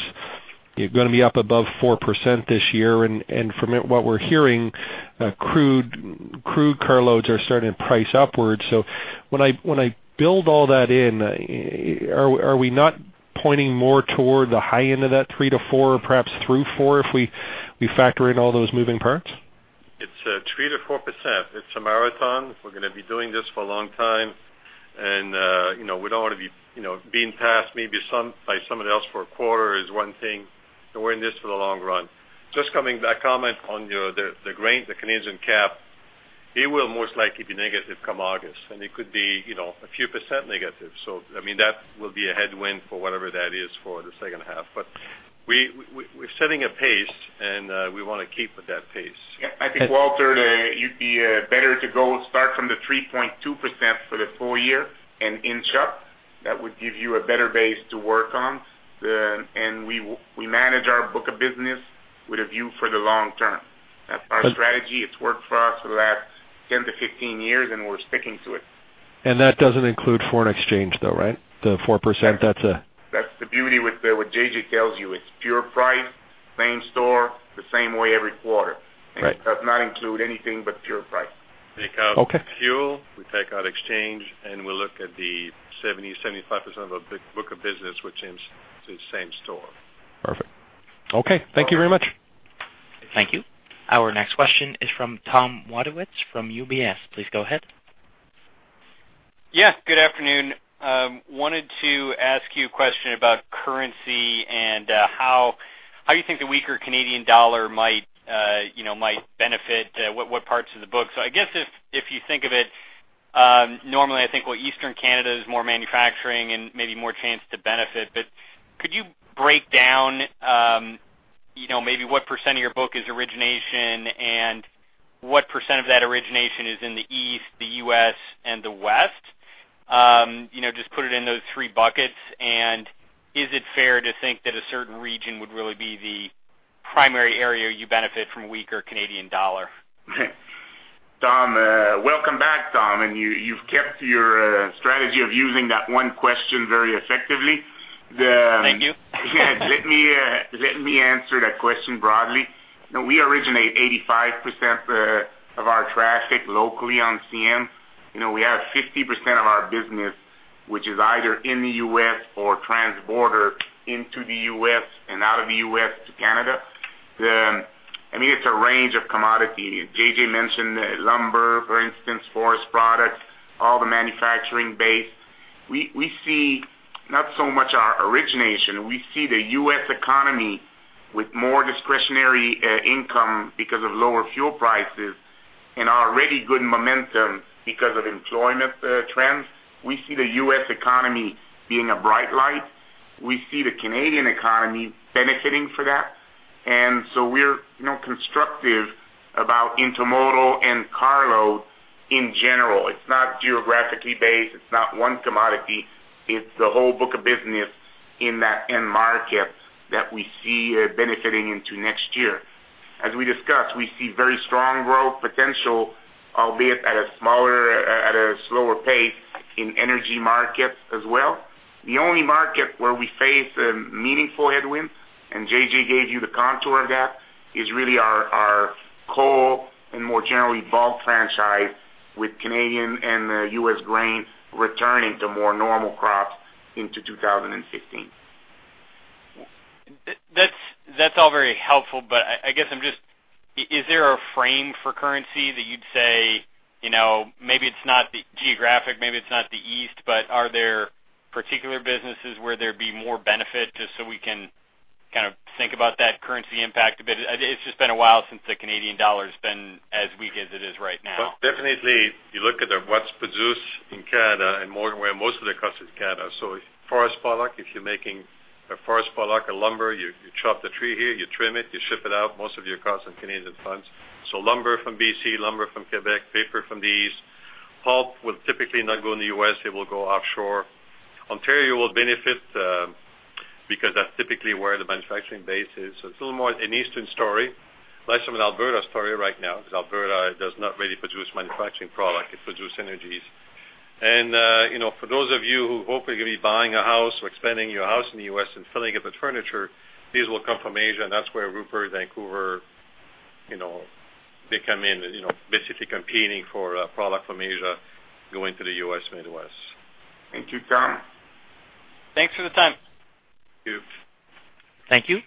you're gonna be up above 4% this year, and from what we're hearing, crude carloads are starting to price upwards. So when I build all that in, are we not pointing more toward the high end of that 3%-4%, or perhaps through 4%, if we factor in all those moving parts? It's 3%-4%. It's a marathon. We're gonna be doing this for a long time, and you know, we don't want to be, you know, being passed maybe by someone else for a quarter is one thing, but we're in this for the long run. Just coming back, comment on your, the grain, the Canadian cap, it will most likely be negative come August, and it could be, you know, a few% negative. So, I mean, that will be a headwind for whatever that is for the second half. But we're setting a pace, and we want to keep with that pace. Yeah, I think, Walter, you'd be better to go start from the 3.2% for the full year and inch up. That would give you a better base to work on. And we, we manage our book of business with a view for the long term. That's our strategy. It's worked for us for the last 10 years-15 years, and we're sticking to it. That doesn't include foreign exchange, though, right? The 4%, that's a- That's the beauty with the... what JJ tells you. It's pure price, same store, the same way every quarter. Right. It does not include anything but pure price. Take out- Okay. -fuel, we take out exchange, and we look at the 70%-75% of the b-book of business, which is same store. Perfect. Okay. Thank you very much. Thank you. Our next question is from Tom Wadowitz, from UBS. Please go ahead. Yes, good afternoon. Wanted to ask you a question about currency and how you think the weaker Canadian dollar might, you know, benefit what parts of the book? So I guess if you think of it, normally, I think, well, Eastern Canada is more manufacturing and maybe more chance to benefit, but could you break down, you know, maybe what % of your book is origination and what % of that origination is in the East, the U.S., and the West? You know, just put it in those three buckets, and is it fair to think that a certain region would really be the primary area you benefit from a weaker Canadian dollar? Tom, welcome back, Tom, and you, you've kept your strategy of using that one question very effectively. The- Thank you. Yeah. Let me, let me answer that question broadly. Now we originate 85% of our traffic locally on CN. You know, we have 50% of our business, which is either in the U.S. or transborder into the U.S. and out of the U.S. to Canada. I mean, it's a range of commodity. JJ mentioned lumber, for instance, forest products, all the manufacturing base. We see not so much our origination, we see the U.S. economy with more discretionary income because of lower fuel prices and already good momentum because of employment trends. We see the U.S. economy being a bright light. We see the Canadian economy benefiting from that. And so we're, you know, constructive about intermodal and cargo in general. It's not geographically based, it's not one commodity, it's the whole book of business in that end market that we see, benefiting into next year. As we discussed, we see very strong growth potential, albeit at a smaller, at a slower pace in energy markets as well. The only market where we face a meaningful headwind, and JJ gave you the contour of that, is really our, our coal and more generally, bulk franchise with Canadian and, US grain returning to more normal crops into 2015. That's all very helpful, but I guess I'm just... Is there a frame for currency that you'd say, you know, maybe it's not the geographic, maybe it's not the East, but are there particular businesses where there'd be more benefit, just so we can kind of think about that currency impact a bit? It's just been a while since the Canadian dollar's been as weak as it is right now. Well, definitely, you look at what's produced in Canada and more where most of the cost is Canada. So forest product, if you're making a forest product, a lumber, you chop the tree here, you trim it, you ship it out, most of your costs are in Canadian funds. So lumber from BC, lumber from Quebec, paper from the east. Pulp will typically not go in the US, it will go offshore. Ontario will benefit, because that's typically where the manufacturing base is. So it's a little more an eastern story, less of an Alberta story right now, because Alberta does not really produce manufacturing product. It produces energies. You know, for those of you who hopefully are gonna be buying a house or expanding your house in the U.S. and filling up the furniture, these will come from Asia, and that's where Rupert, Vancouver, you know, they come in, you know, basically competing for product from Asia, going to the U.S. Midwest. Thank you, Tom. Thanks for the time. Thank you. Thank you.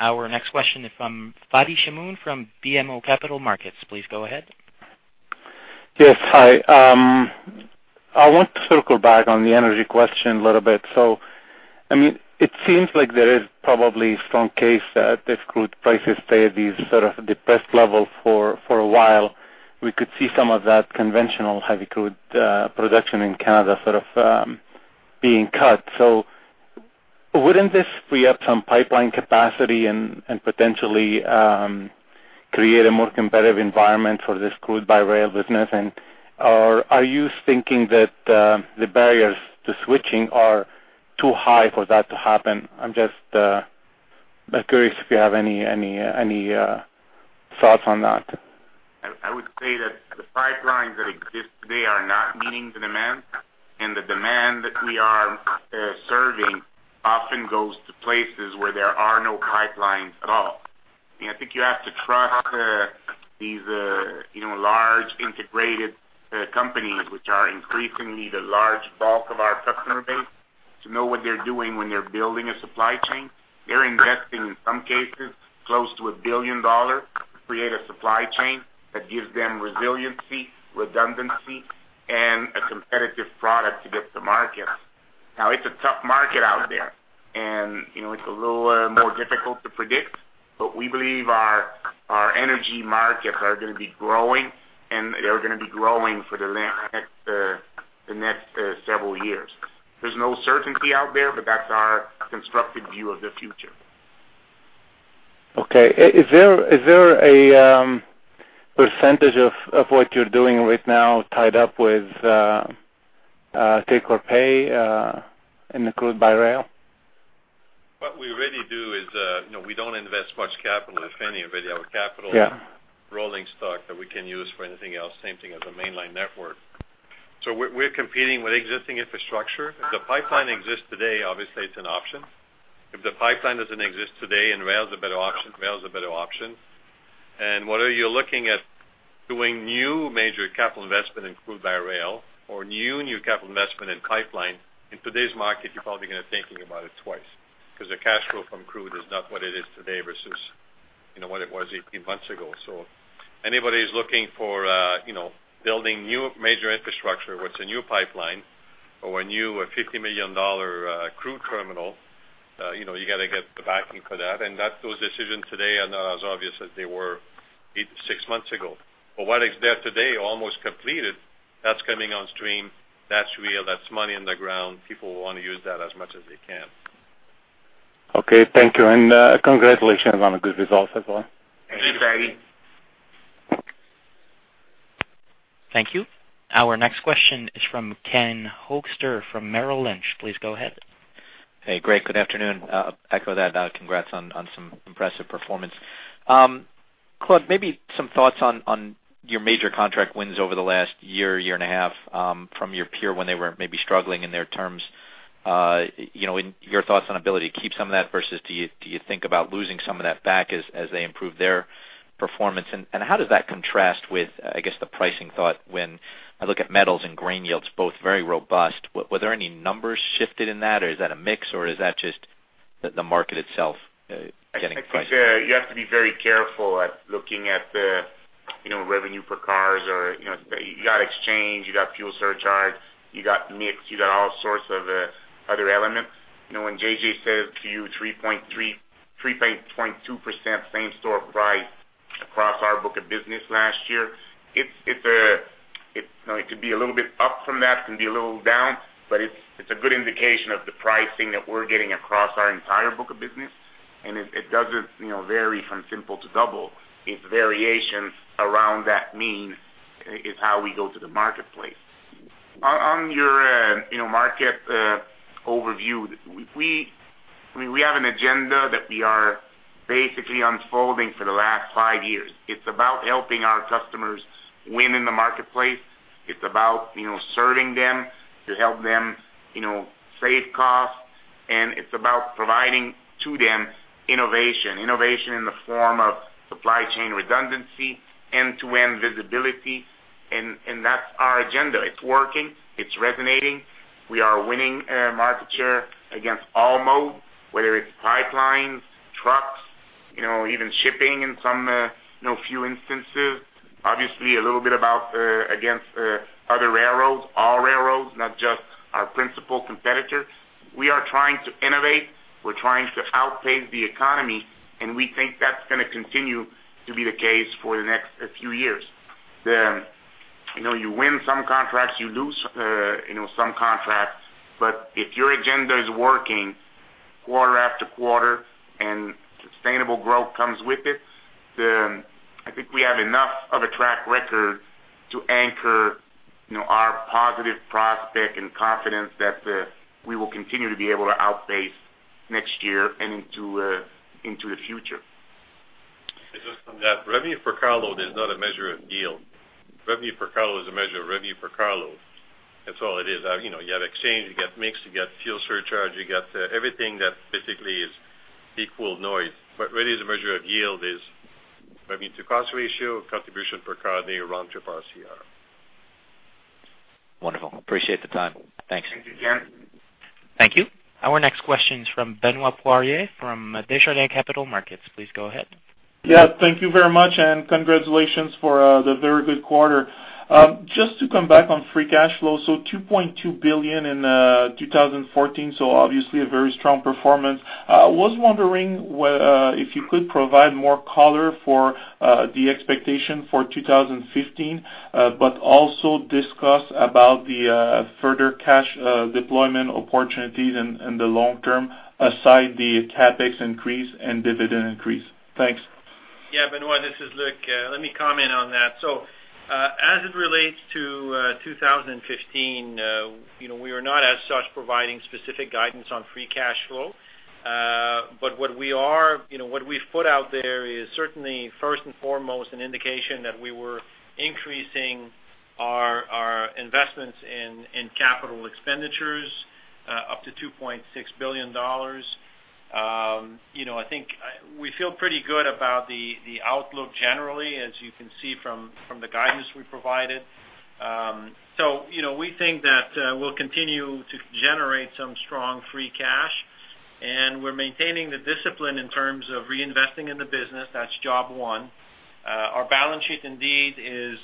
Our next question is from Fadi Chamoun, from BMO Capital Markets. Please go ahead.... Yes, hi. I want to circle back on the energy question a little bit. So, I mean, it seems like there is probably strong case that if crude prices stay at these sort of depressed level for a while, we could see some of that conventional heavy crude production in Canada sort of being cut. So wouldn't this free up some pipeline capacity and potentially create a more competitive environment for this crude by rail business? And, or are you thinking that the barriers to switching are too high for that to happen? I'm just curious if you have any thoughts on that. I would say that the pipelines that exist today are not meeting the demand, and the demand that we are serving often goes to places where there are no pipelines at all. I think you have to trust these, you know, large integrated companies, which are increasingly the large bulk of our customer base, to know what they're doing when they're building a supply chain. They're investing, in some cases, close to $1 billion to create a supply chain that gives them resiliency, redundancy, and a competitive product to get to market. Now, it's a tough market out there, and, you know, it's a little more difficult to predict, but we believe our energy markets are gonna be growing, and they're gonna be growing for the next several years. There's no certainty out there, but that's our constructive view of the future. Okay. Is there a percentage of what you're doing right now tied up with take or pay in the crude by rail? What we really do is, you know, we don't invest much capital, if any, but we have a capital- Yeah. Rolling stock that we can use for anything else, same thing as a mainline network. So we're competing with existing infrastructure. If the pipeline exists today, obviously it's an option. If the pipeline doesn't exist today and rail is a better option, rail is a better option. And whether you're looking at doing new major capital investment in crude by rail or new capital investment in pipeline, in today's market, you're probably gonna be thinking about it twice. 'Cause the cash flow from crude is not what it is today versus, you know, what it was 18 months ago. So anybody who's looking for, you know, building new major infrastructure, whether it's a new pipeline or a new $50 million crude terminal, you know, you got to get the backing for that. Those decisions today are not as obvious as they were 8, 6 months ago. But what is there today, almost completed, that's coming on stream, that's real, that's money on the ground. People will want to use that as much as they can. Okay, thank you. Congratulations on the good results as well. Thank you, Serge. Thank you. Our next question is from Ken Hoexter from Merrill Lynch. Please go ahead. Hey, Claude, good afternoon. Echo that, congrats on some impressive performance. Claude, maybe some thoughts on your major contract wins over the last year, year and a half, from your peer, when they were maybe struggling in their terms. You know, your thoughts on ability to keep some of that versus do you think about losing some of that back as they improve their performance? And how does that contrast with, I guess, the pricing thought when I look at metals and grain yields, both very robust, were there any numbers shifted in that, or is that a mix, or is that just the market itself getting prices? I think, you have to be very careful at looking at the, you know, revenue per cars or, you know, you got exchange, you got fuel surcharge, you got mix, you got all sorts of, other elements. You know, when JJ says to you 3.3, 3.2% same store price across our book of business last year, it's, it's a, it, you know, it could be a little bit up from that, it can be a little down, but it's, it's a good indication of the pricing that we're getting across our entire book of business. And it, it doesn't, you know, vary from simple to double. It's variations around that mean is how we go to the marketplace. On your market overview, we—I mean, we have an agenda that we are basically unfolding for the last five years. It's about helping our customers win in the marketplace. It's about, you know, serving them to help them, you know, save costs, and it's about providing to them innovation. Innovation in the form of supply chain redundancy, end-to-end visibility, and that's our agenda. It's working, it's resonating. We are winning market share against all modes, whether it's pipelines, trucks, you know, even shipping in some, you know, few instances. Obviously, a little bit about against other railroads, all railroads, not just our principal competitor. We are trying to innovate, we're trying to outpace the economy, and we think that's gonna continue to be the case for the next few years. You know, you win some contracts, you lose, you know, some contracts, but if your agenda is working quarter after quarter and sustainable growth comes with it, then I think we have enough of a track record to anchor, you know, our positive prospect and confidence that we will continue to be able to outpace next year and into into the future. And just on that, revenue per carload is not a measure of yield. Revenue per carload is a measure of revenue per carload. That's all it is. You know, you have exchange, you got mix, you got fuel surcharge, you got everything that basically is equal noise. But really the measure of yield is, I mean, to cost ratio, contribution per car day around to OR.... Wonderful. Appreciate the time. Thanks. Thank you, Jim. Thank you. Our next question is from Benoît Poirier from Desjardins Capital Markets. Please go ahead. Yeah, thank you very much, and congratulations for the very good quarter. Just to come back on free cash flow, so $2.2 billion in 2014, so obviously a very strong performance. I was wondering if you could provide more color for the expectation for 2015, but also discuss about the further cash deployment opportunities in the long term, aside the CapEx increase and dividend increase. Thanks. Yeah, Benoit, this is Luc. Let me comment on that. So, as it relates to 2015, you know, we are not as such providing specific guidance on free cash flow. But what we are, you know, what we've put out there is certainly, first and foremost, an indication that we were increasing our investments in capital expenditures up to $2.6 billion. You know, I think we feel pretty good about the outlook generally, as you can see from the guidance we provided. So, you know, we think that we'll continue to generate some strong free cash, and we're maintaining the discipline in terms of reinvesting in the business. That's job one. Our balance sheet, indeed, is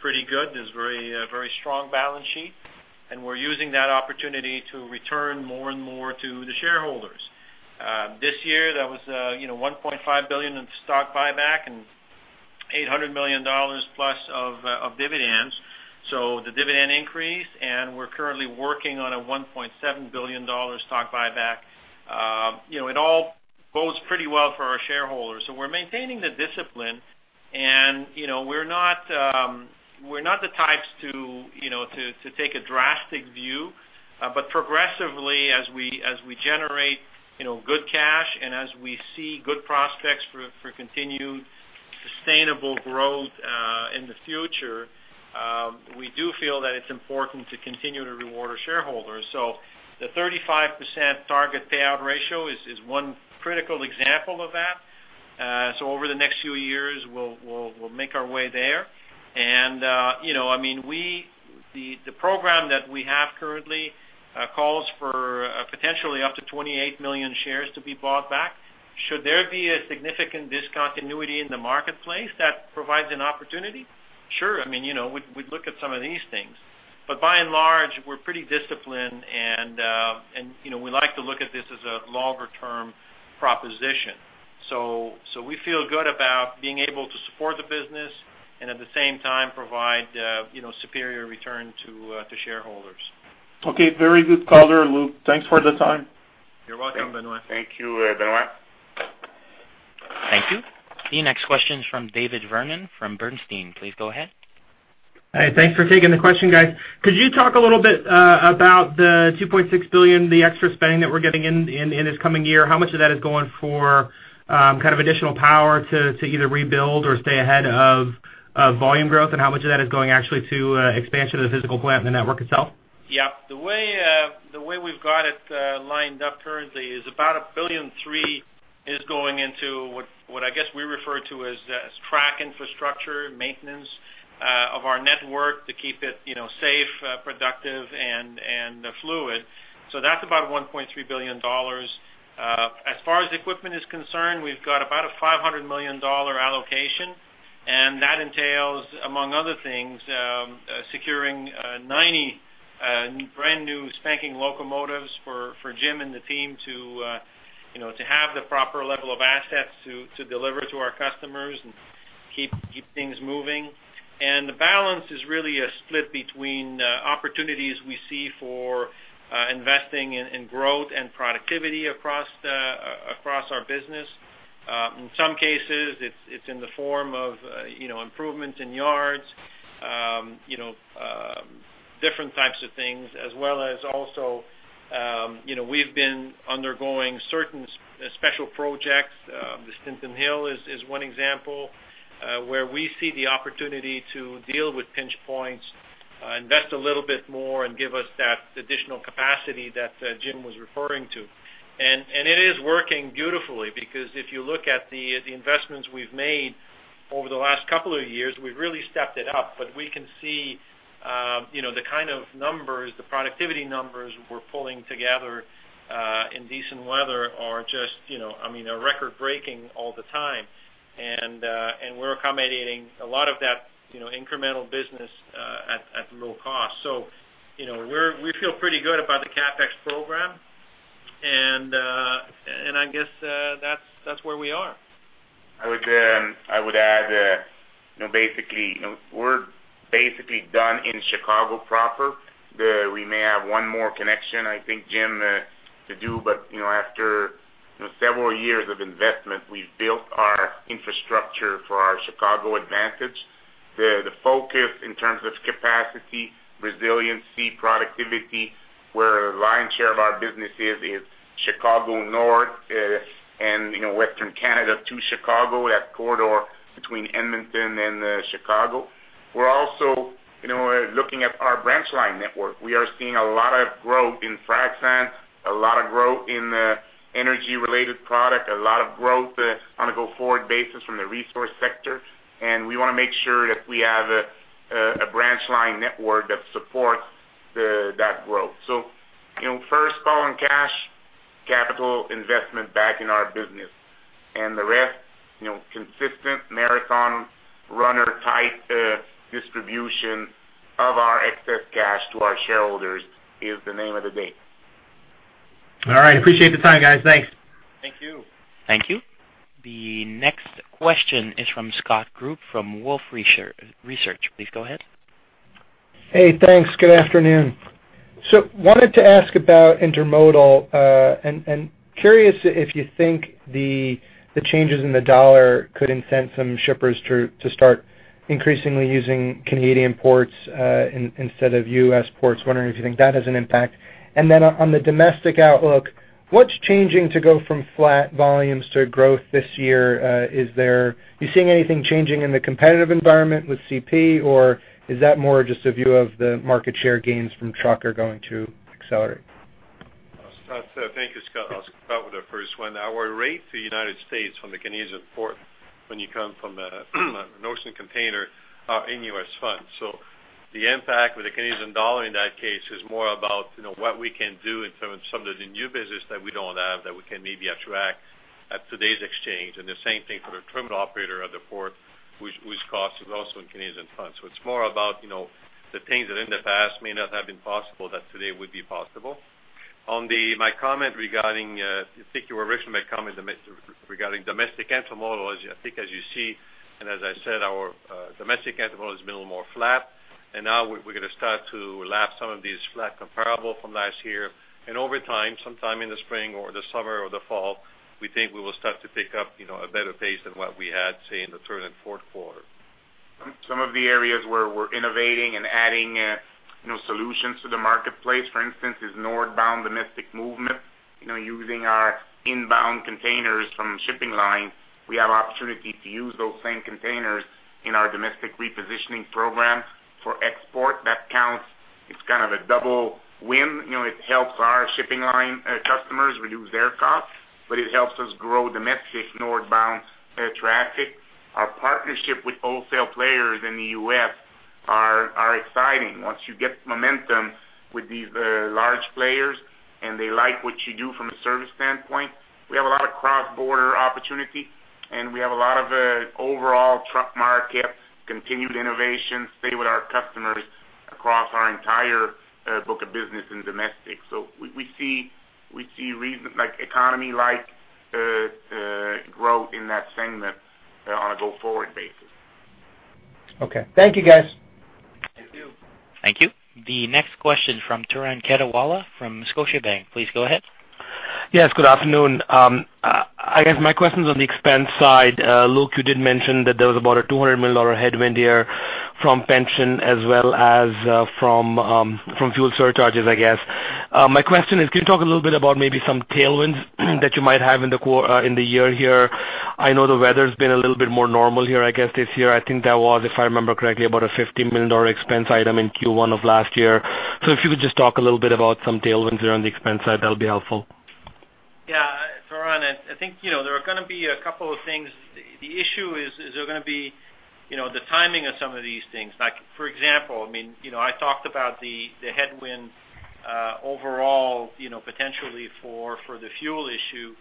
pretty good, very strong balance sheet, and we're using that opportunity to return more and more to the shareholders. This year, that was, you know, $1.5 billion in stock buyback and $800 million plus of dividends. So the dividend increased, and we're currently working on a $1.7 billion stock buyback. You know, it all bodes pretty well for our shareholders. So we're maintaining the discipline, and, you know, we're not, we're not the types to, you know, to take a drastic view. But progressively, as we generate, you know, good cash, and as we see good prospects for continued sustainable growth, in the future, we do feel that it's important to continue to reward our shareholders. So the 35% target payout ratio is one critical example of that. So over the next few years, we'll make our way there. And you know, I mean, we the program that we have currently calls for potentially up to 28 million shares to be bought back. Should there be a significant discontinuity in the marketplace that provides an opportunity? Sure. I mean, you know, we'd look at some of these things. But by and large, we're pretty disciplined, and you know, we like to look at this as a longer-term proposition. So we feel good about being able to support the business and at the same time, provide you know, superior return to shareholders. Okay, very good color, Luc. Thanks for the time. You're welcome, Benoit. Thank you, Benoit. Thank you. The next question is from David Vernon from Bernstein. Please go ahead. Hi, thanks for taking the question, guys. Could you talk a little bit about the $2.6 billion, the extra spending that we're getting in this coming year? How much of that is going for kind of additional power to either rebuild or stay ahead of volume growth, and how much of that is going actually to expansion of the physical plant and the network itself? Yeah. The way we've got it lined up currently is about $1.3 billion going into what I guess we refer to as track infrastructure, maintenance of our network to keep it, you know, safe, productive and fluid. So that's about $1.3 billion. As far as equipment is concerned, we've got about a $500 million allocation, and that entails, among other things, securing 90 brand-new spanking locomotives for Jim and the team to, you know, to have the proper level of assets to deliver to our customers and keep things moving. And the balance is really a split between opportunities we see for investing in growth and productivity across our business. In some cases, it's in the form of you know, improvements in yards, you know, different types of things, as well as also, you know, we've been undergoing certain special projects. The Steelton Hill is one example, where we see the opportunity to deal with pinch points, invest a little bit more, and give us that additional capacity that Jim was referring to. And it is working beautifully, because if you look at the investments we've made over the last couple of years, we've really stepped it up. But we can see, you know, the kind of numbers, the productivity numbers we're pulling together, in decent weather are just, you know, I mean, are record-breaking all the time. We're accommodating a lot of that, you know, incremental business at low cost. So, you know, we feel pretty good about the CapEx program, and I guess that's where we are. I would add, you know, basically, you know, we're basically done in Chicago proper. We may have one more connection, I think, Jim, to do, but, you know, after several years of investment, we've built our infrastructure for our Chicago advantage. The focus in terms of capacity, resiliency, productivity, where the lion's share of our business is, is Chicago North, and, you know, Western Canada to Chicago, that corridor between Edmonton and Chicago. We're also, you know, looking at our branch line network. We are seeing a lot of growth in frac sand, a lot of growth in energy-related product, a lot of growth on a go-forward basis from the resource sector, and we want to make sure that we have a branch line network that supports that growth. So, you know, first call on cash. Capital investment back in our business, and the rest, you know, consistent marathon runner type, distribution of our excess cash to our shareholders is the name of the day. All right. Appreciate the time, guys. Thanks. Thank you. Thank you. The next question is from Scott Group, from Wolfe Research. Please go ahead. Hey, thanks. Good afternoon. So wanted to ask about intermodal, and curious if you think the changes in the dollar could incent some shippers to start increasingly using Canadian ports, instead of U.S. ports. Wondering if you think that has an impact? And then on the domestic outlook, what's changing to go from flat volumes to growth this year? Is there... Are you seeing anything changing in the competitive environment with CP, or is that more just a view of the market share gains from truck are going to accelerate? Scott, thank you, Scott. I'll start with the first one. Our rate to United States from the Canadian port, when you come from the ocean container, are in U.S. dollars. So the impact with the Canadian dollar in that case is more about, you know, what we can do in terms of some of the new business that we don't have, that we can maybe attract at today's exchange. And the same thing for the terminal operator of the port, which costs is also in Canadian dollars. So it's more about, you know, the things that in the past may not have been possible, that today would be possible. On my comment regarding, I think you were referring to my comment domestic, regarding domestic intermodal, as I think, as you see, and as I said, our domestic intermodal has been a little more flat, and now we're gonna start to lap some of these flat comparables from last year. Over time, sometime in the spring or the summer or the fall, we think we will start to pick up, you know, a better pace than what we had, say, in the third fourth quarter. Some of the areas where we're innovating and adding, you know, solutions to the marketplace, for instance, is northbound domestic movement. You know, using our inbound containers from the shipping line, we have opportunity to use those same containers in our domestic repositioning program for export. That counts. It's kind of a double win. You know, it helps our shipping line, customers reduce their costs, but it helps us grow domestic northbound, traffic. Our partnership with wholesale players in the US are exciting. Once you get momentum with these, large players, and they like what you do from a service standpoint, we have a lot of cross-border opportunity, and we have a lot of, overall truck market, continued innovation, stay with our customers across our entire, book of business and domestic. So we, we see, we see reason... Like, economy-like, growth in that segment, on a go-forward basis. Okay. Thank you, guys. Thank you. Thank you. The next question from Turan Quettawala from Scotiabank. Please go ahead. Yes, good afternoon. I guess my question is on the expense side. Luc, you did mention that there was about a $200 million headwind year from pension as well as from fuel surcharges, I guess. My question is, can you talk a little bit about maybe some tailwinds that you might have in the year here? I know the weather's been a little bit more normal here, I guess, this year. I think that was, if I remember correctly, about a $50 million expense item in Q1 of last year. So if you could just talk a little bit about some tailwinds around the expense side, that'll be helpful. Yeah, Turan, I think, you know, there are gonna be a couple of things. The issue is there are gonna be, you know, the timing of some of these things. Like, for example, I mean, you know, I talked about the headwind overall, you know, potentially for the fuel issue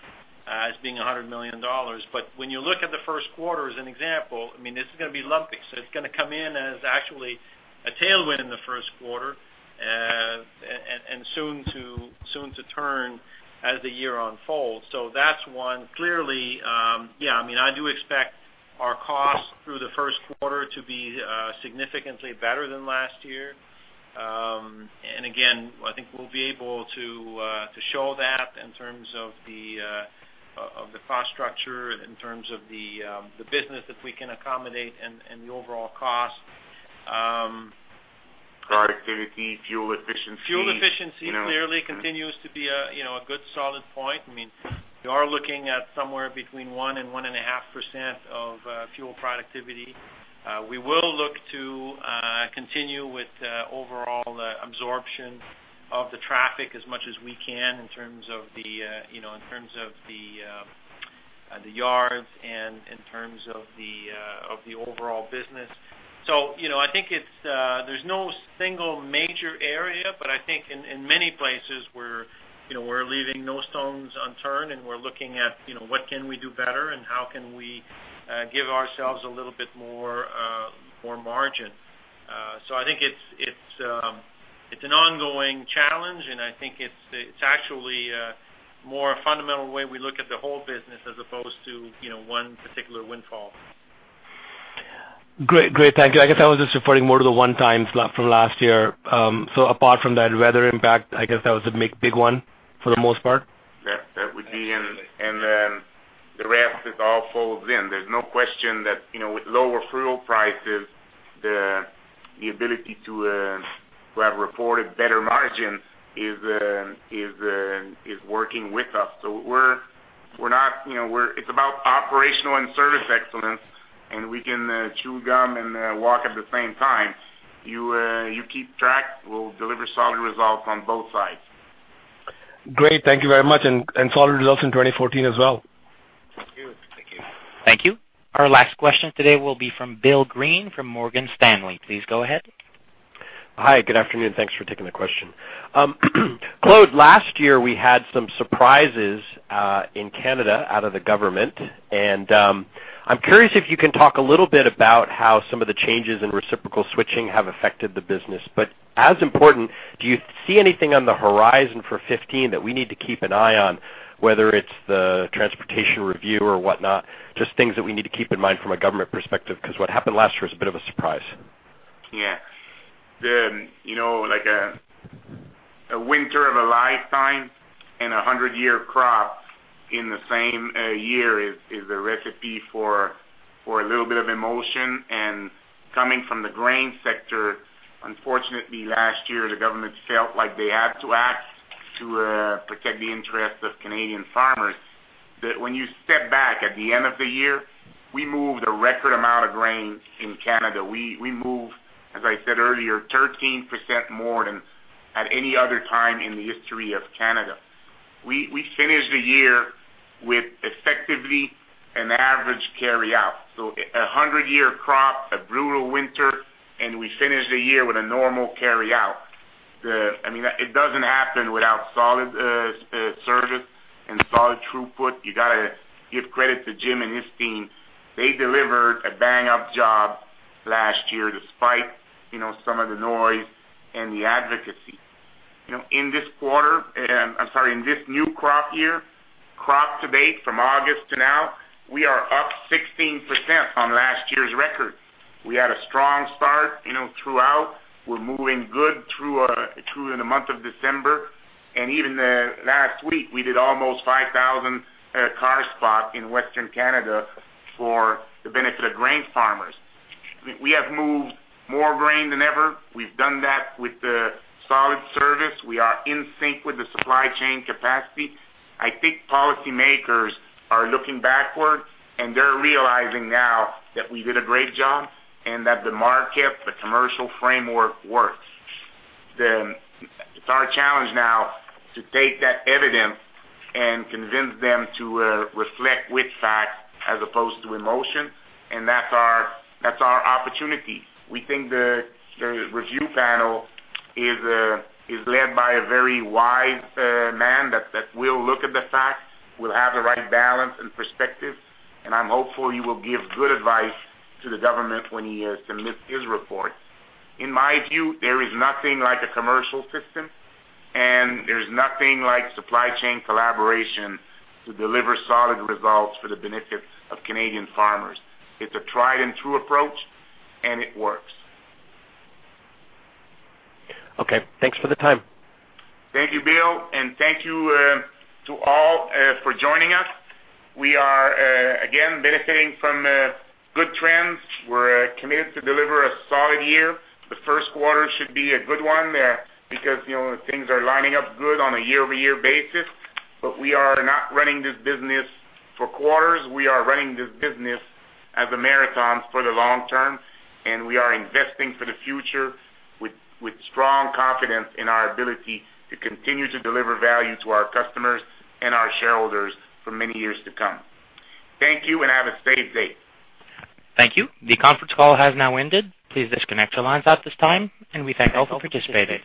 as being 100 million dollars. But when you look at the first quarter as an example, I mean, this is gonna be lumpy. So it's gonna come in as actually a tailwind in the first quarter, and soon to turn as the year unfolds. So that's one. Clearly, yeah, I mean, I do expect our costs through the first quarter to be significantly better than last year. And again, I think we'll be able to show that in terms of the cost structure, in terms of the business that we can accommodate and the overall cost. Productivity, fuel efficiency. Fuel efficiency- You know, mm-hmm. Clearly continues to be a, you know, a good solid point. I mean, we are looking at somewhere between 1% and 1.5% of fuel productivity. We will look to continue with overall absorption of the traffic as much as we can, in terms of the, you know, in terms of the yards and in terms of the overall business. So, you know, I think it's, there's no single major area, but I think in many places we're, you know, we're leaving no stones unturned, and we're looking at, you know, what can we do better and how can we give ourselves a little bit more margin. I think it's an ongoing challenge, and I think it's actually more a fundamental way we look at the whole business as opposed to, you know, one particular windfall. Great. Great, thank you. I guess I was just referring more to the one time from last year. So apart from that weather impact, I guess that was the big, big one for the most part? That would be, and the rest, it all falls in. There's no question that, you know, with lower fuel prices, the ability to have reported better margins is working with us. So we're not, you know. It's about operational and service excellence, and we can chew gum and walk at the same time. You keep track, we'll deliver solid results on both sides. Great. Thank you very much, and solid results in 2014 as well? ...Thank you. Our last question today will be from Bill Greene from Morgan Stanley. Please go ahead. Hi, good afternoon. Thanks for taking the question. Claude, last year, we had some surprises, in Canada, out of the government, and, I'm curious if you can talk a little bit about how some of the changes in reciprocal switching have affected the business. But as important, do you see anything on the horizon for 15 that we need to keep an eye on, whether it's the transportation review or whatnot? Just things that we need to keep in mind from a government perspective, 'cause what happened last year was a bit of a surprise. Yeah. You know, like a winter of a lifetime and a hundred-year crop in the same year is a recipe for a little bit of emotion. And coming from the grain sector, unfortunately, last year, the government felt like they had to act to protect the interests of Canadian farmers. But when you step back at the end of the year, we moved a record amount of grain in Canada. We moved, as I said earlier, 13% more than at any other time in the history of Canada. We finished the year with effectively an average carry-out. So a hundred-year crop, a brutal winter, and we finished the year with a normal carry-out. I mean, it doesn't happen without solid service and solid throughput. You gotta give credit to Jim and his team. They delivered a bang-up job last year, despite, you know, some of the noise and the advocacy. You know, in this quarter, I'm sorry, in this new crop year, crop to date from August to now, we are up 16% on last year's record. We had a strong start, you know, throughout. We're moving good through the month of December, and even last week, we did almost 5,000 car spots in Western Canada for the benefit of grain farmers. We, we have moved more grain than ever. We've done that with the solid service. We are in sync with the supply chain capacity. I think policymakers are looking backward, and they're realizing now that we did a great job and that the market, the commercial framework, works. It's our challenge now to take that evidence and convince them to reflect with facts as opposed to emotion, and that's our opportunity. We think the review panel is led by a very wise man that will look at the facts, will have the right balance and perspective, and I'm hopeful he will give good advice to the government when he submits his report. In my view, there is nothing like a commercial system, and there's nothing like supply chain collaboration to deliver solid results for the benefit of Canadian farmers. It's a tried and true approach, and it works. Okay, thanks for the time. Thank you, Bill, and thank you to all for joining us. We are again benefiting from good trends. We're committed to deliver a solid year. The first quarter should be a good one because, you know, things are lining up good on a year-over-year basis. But we are not running this business for quarters. We are running this business as a marathon for the long term, and we are investing for the future with strong confidence in our ability to continue to deliver value to our customers and our shareholders for many years to come. Thank you, and have a safe day. Thank you. The conference call has now ended. Please disconnect your lines at this time, and we thank all for participating.